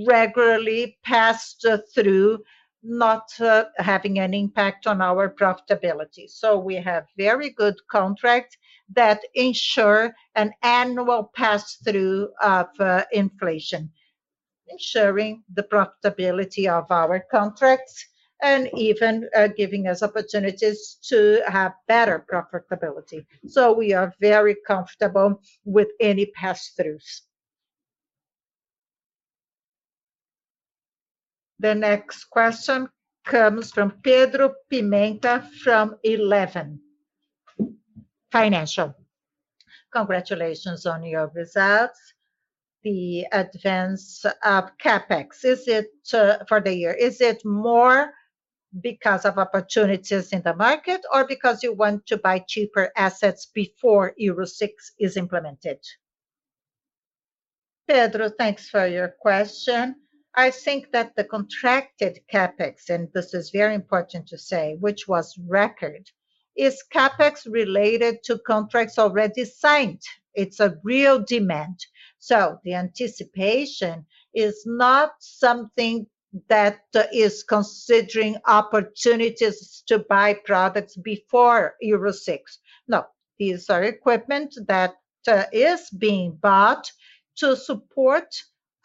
regularly passed through, not having an impact on our profitability. We have very good contract that ensure an annual pass-through of inflation, ensuring the profitability of our contracts and even giving us opportunities to have better profitability. We are very comfortable with any pass-throughs. The next question comes from Pedro Pimenta from Eleven. Congratulations on your results. The advance of CapEx, is it for the year? Is it more because of opportunities in the market or because you want to buy cheaper assets before Euro 6 is implemented? Pedro, thanks for your question. I think that the contracted CapEx, and this is very important to say, which was record, is CapEx related to contracts already signed. It's a real demand. The anticipation is not something that is considering opportunities to buy products before Euro 6. No. These are equipment that is being bought to support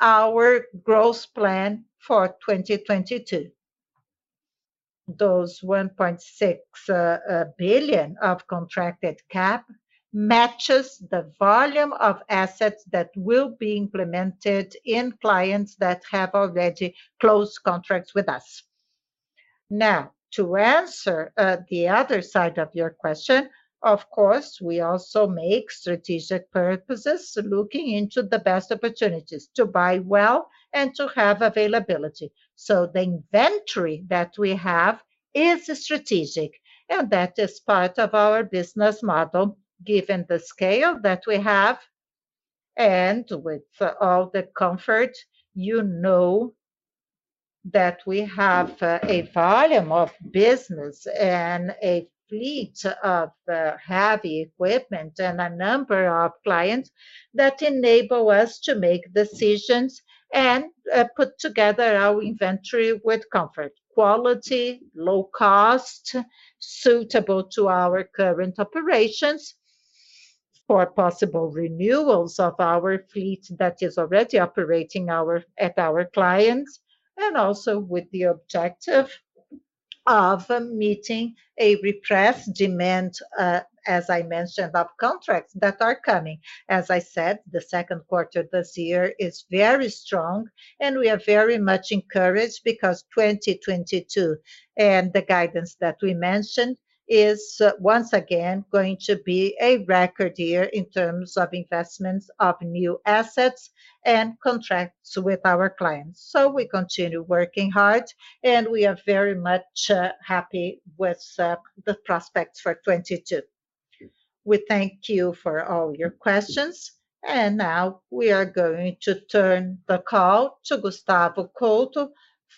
our growth plan for 2022. Those 1.6 billion of contracted CapEx matches the volume of assets that will be implemented in clients that have already closed contracts with us. Now, to answer the other side of your question, of course, we also make strategic purposes looking into the best opportunities to buy well and to have availability. The inventory that we have is strategic, and that is part of our business model given the scale that we have. With all the comfort, you know that we have a volume of business and a fleet of heavy equipment and a number of clients that enable us to make decisions and put together our inventory with comfort, quality, low cost, suitable to our current operations for possible renewals of our fleet that is already operating at our clients, and also with the objective of meeting a repressed demand, as I mentioned, of contracts that are coming. As I said, the second quarter this year is very strong, and we are very much encouraged because 2022 and the guidance that we mentioned is once again going to be a record year in terms of investments of new assets and contracts with our clients. We continue working hard, and we are very much happy with the prospects for 2022. We thank you for all your questions. Now we are going to turn the call to Gustavo Couto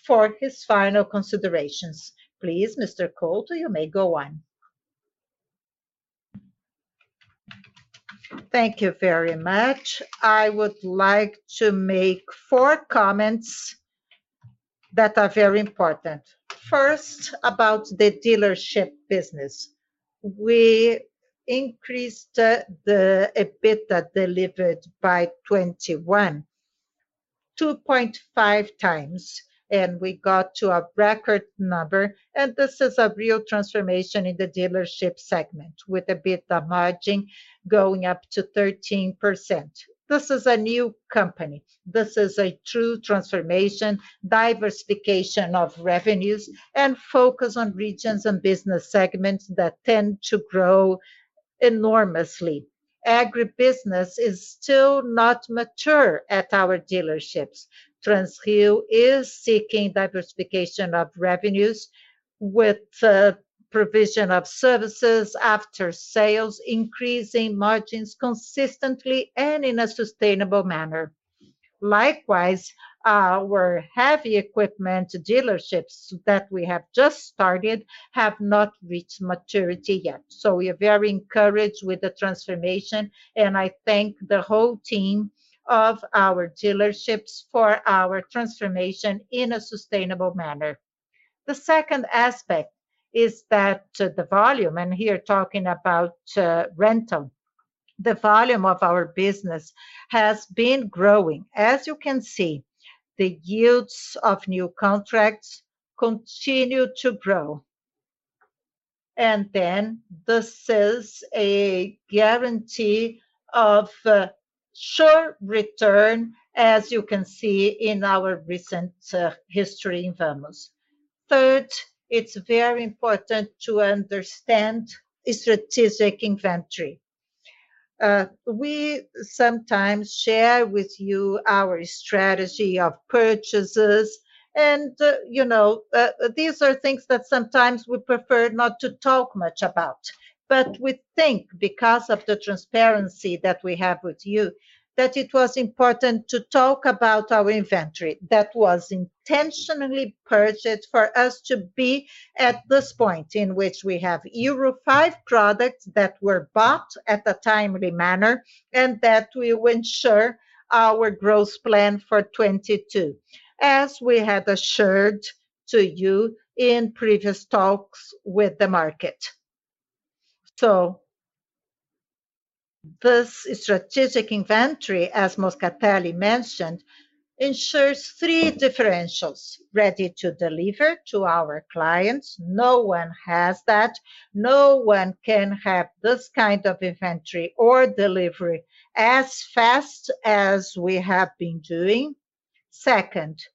for his final considerations. Please, Mr. Couto, you may go on. Thank you very much. I would like to make four comments that are very important. First, about the dealership business. We increased the EBITDA delivered by 2021 2.5x, and we got to a record number. This is a real transformation in the dealership segment with EBITDA margin going up to 13%. This is a new company. This is a true transformation, diversification of revenues, and focus on regions and business segments that tend to grow enormously. Agribusiness is still not mature at our dealerships. Transrio is seeking diversification of revenues with the provision of services after sales, increasing margins consistently and in a sustainable manner. Likewise, our heavy equipment dealerships that we have just started have not reached maturity yet. We are very encouraged with the transformation, and I thank the whole team of our dealerships for our transformation in a sustainable manner. The second aspect is that the volume, and here talking about rental, the volume of our business has been growing. As you can see, the yields of new contracts continue to grow. Then this is a guarantee of a sure return, as you can see in our recent history in Vamos. Third, it's very important to understand strategic inventory. We sometimes share with you our strategy of purchases and, you know, these are things that sometimes we prefer not to talk much about. We think because of the transparency that we have with you, that it was important to talk about our inventory that was intentionally purchased for us to be at this point in which we have Euro 5 products that were bought at a timely manner and that will ensure our growth plan for 2022, as we had assured to you in previous talks with the market. This strategic inventory, as Moscatelli mentioned, ensures three differentials, ready to deliver to our clients, no one has that, no one can have this kind of inventory or delivery as fast as we have been doing. Second,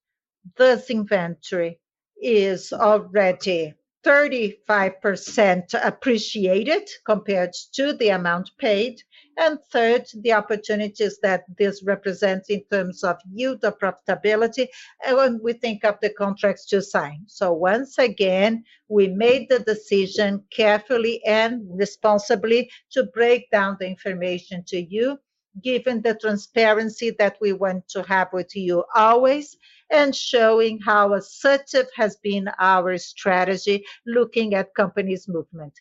this inventory is already 35% appreciated compared to the amount paid. And third, the opportunities that this represents in terms of yield or profitability when we think of the contracts to sign. Once again, we made the decision carefully and responsibly to break down the information to you, given the transparency that we want to have with you always and showing how assertive has been our strategy looking at company's movement.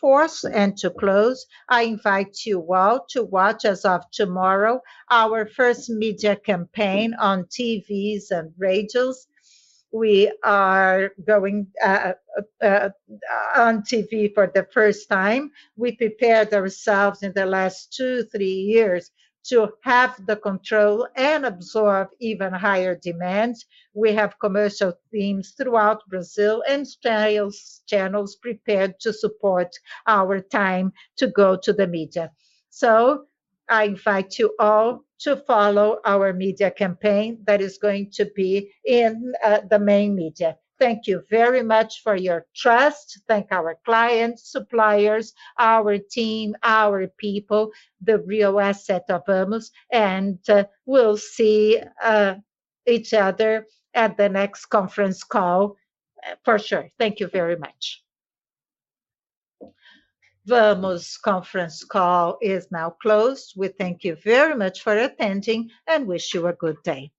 Fourth, and to close, I invite you all to watch as of tomorrow our first media campaign on TVs and radios. We are going on TV for the first time. We prepared ourselves in the last two, three years to have the control and absorb even higher demands. We have commercial teams throughout Brazil and channels prepared to support our time to go to the media. I invite you all to follow our media campaign that is going to be in the main media. Thank you very much for your trust. Thank our clients, suppliers, our team, our people, the real asset of Vamos, and we'll see each other at the next conference call for sure. Thank you very much. Vamos conference call is now closed. We thank you very much for attending and wish you a good day.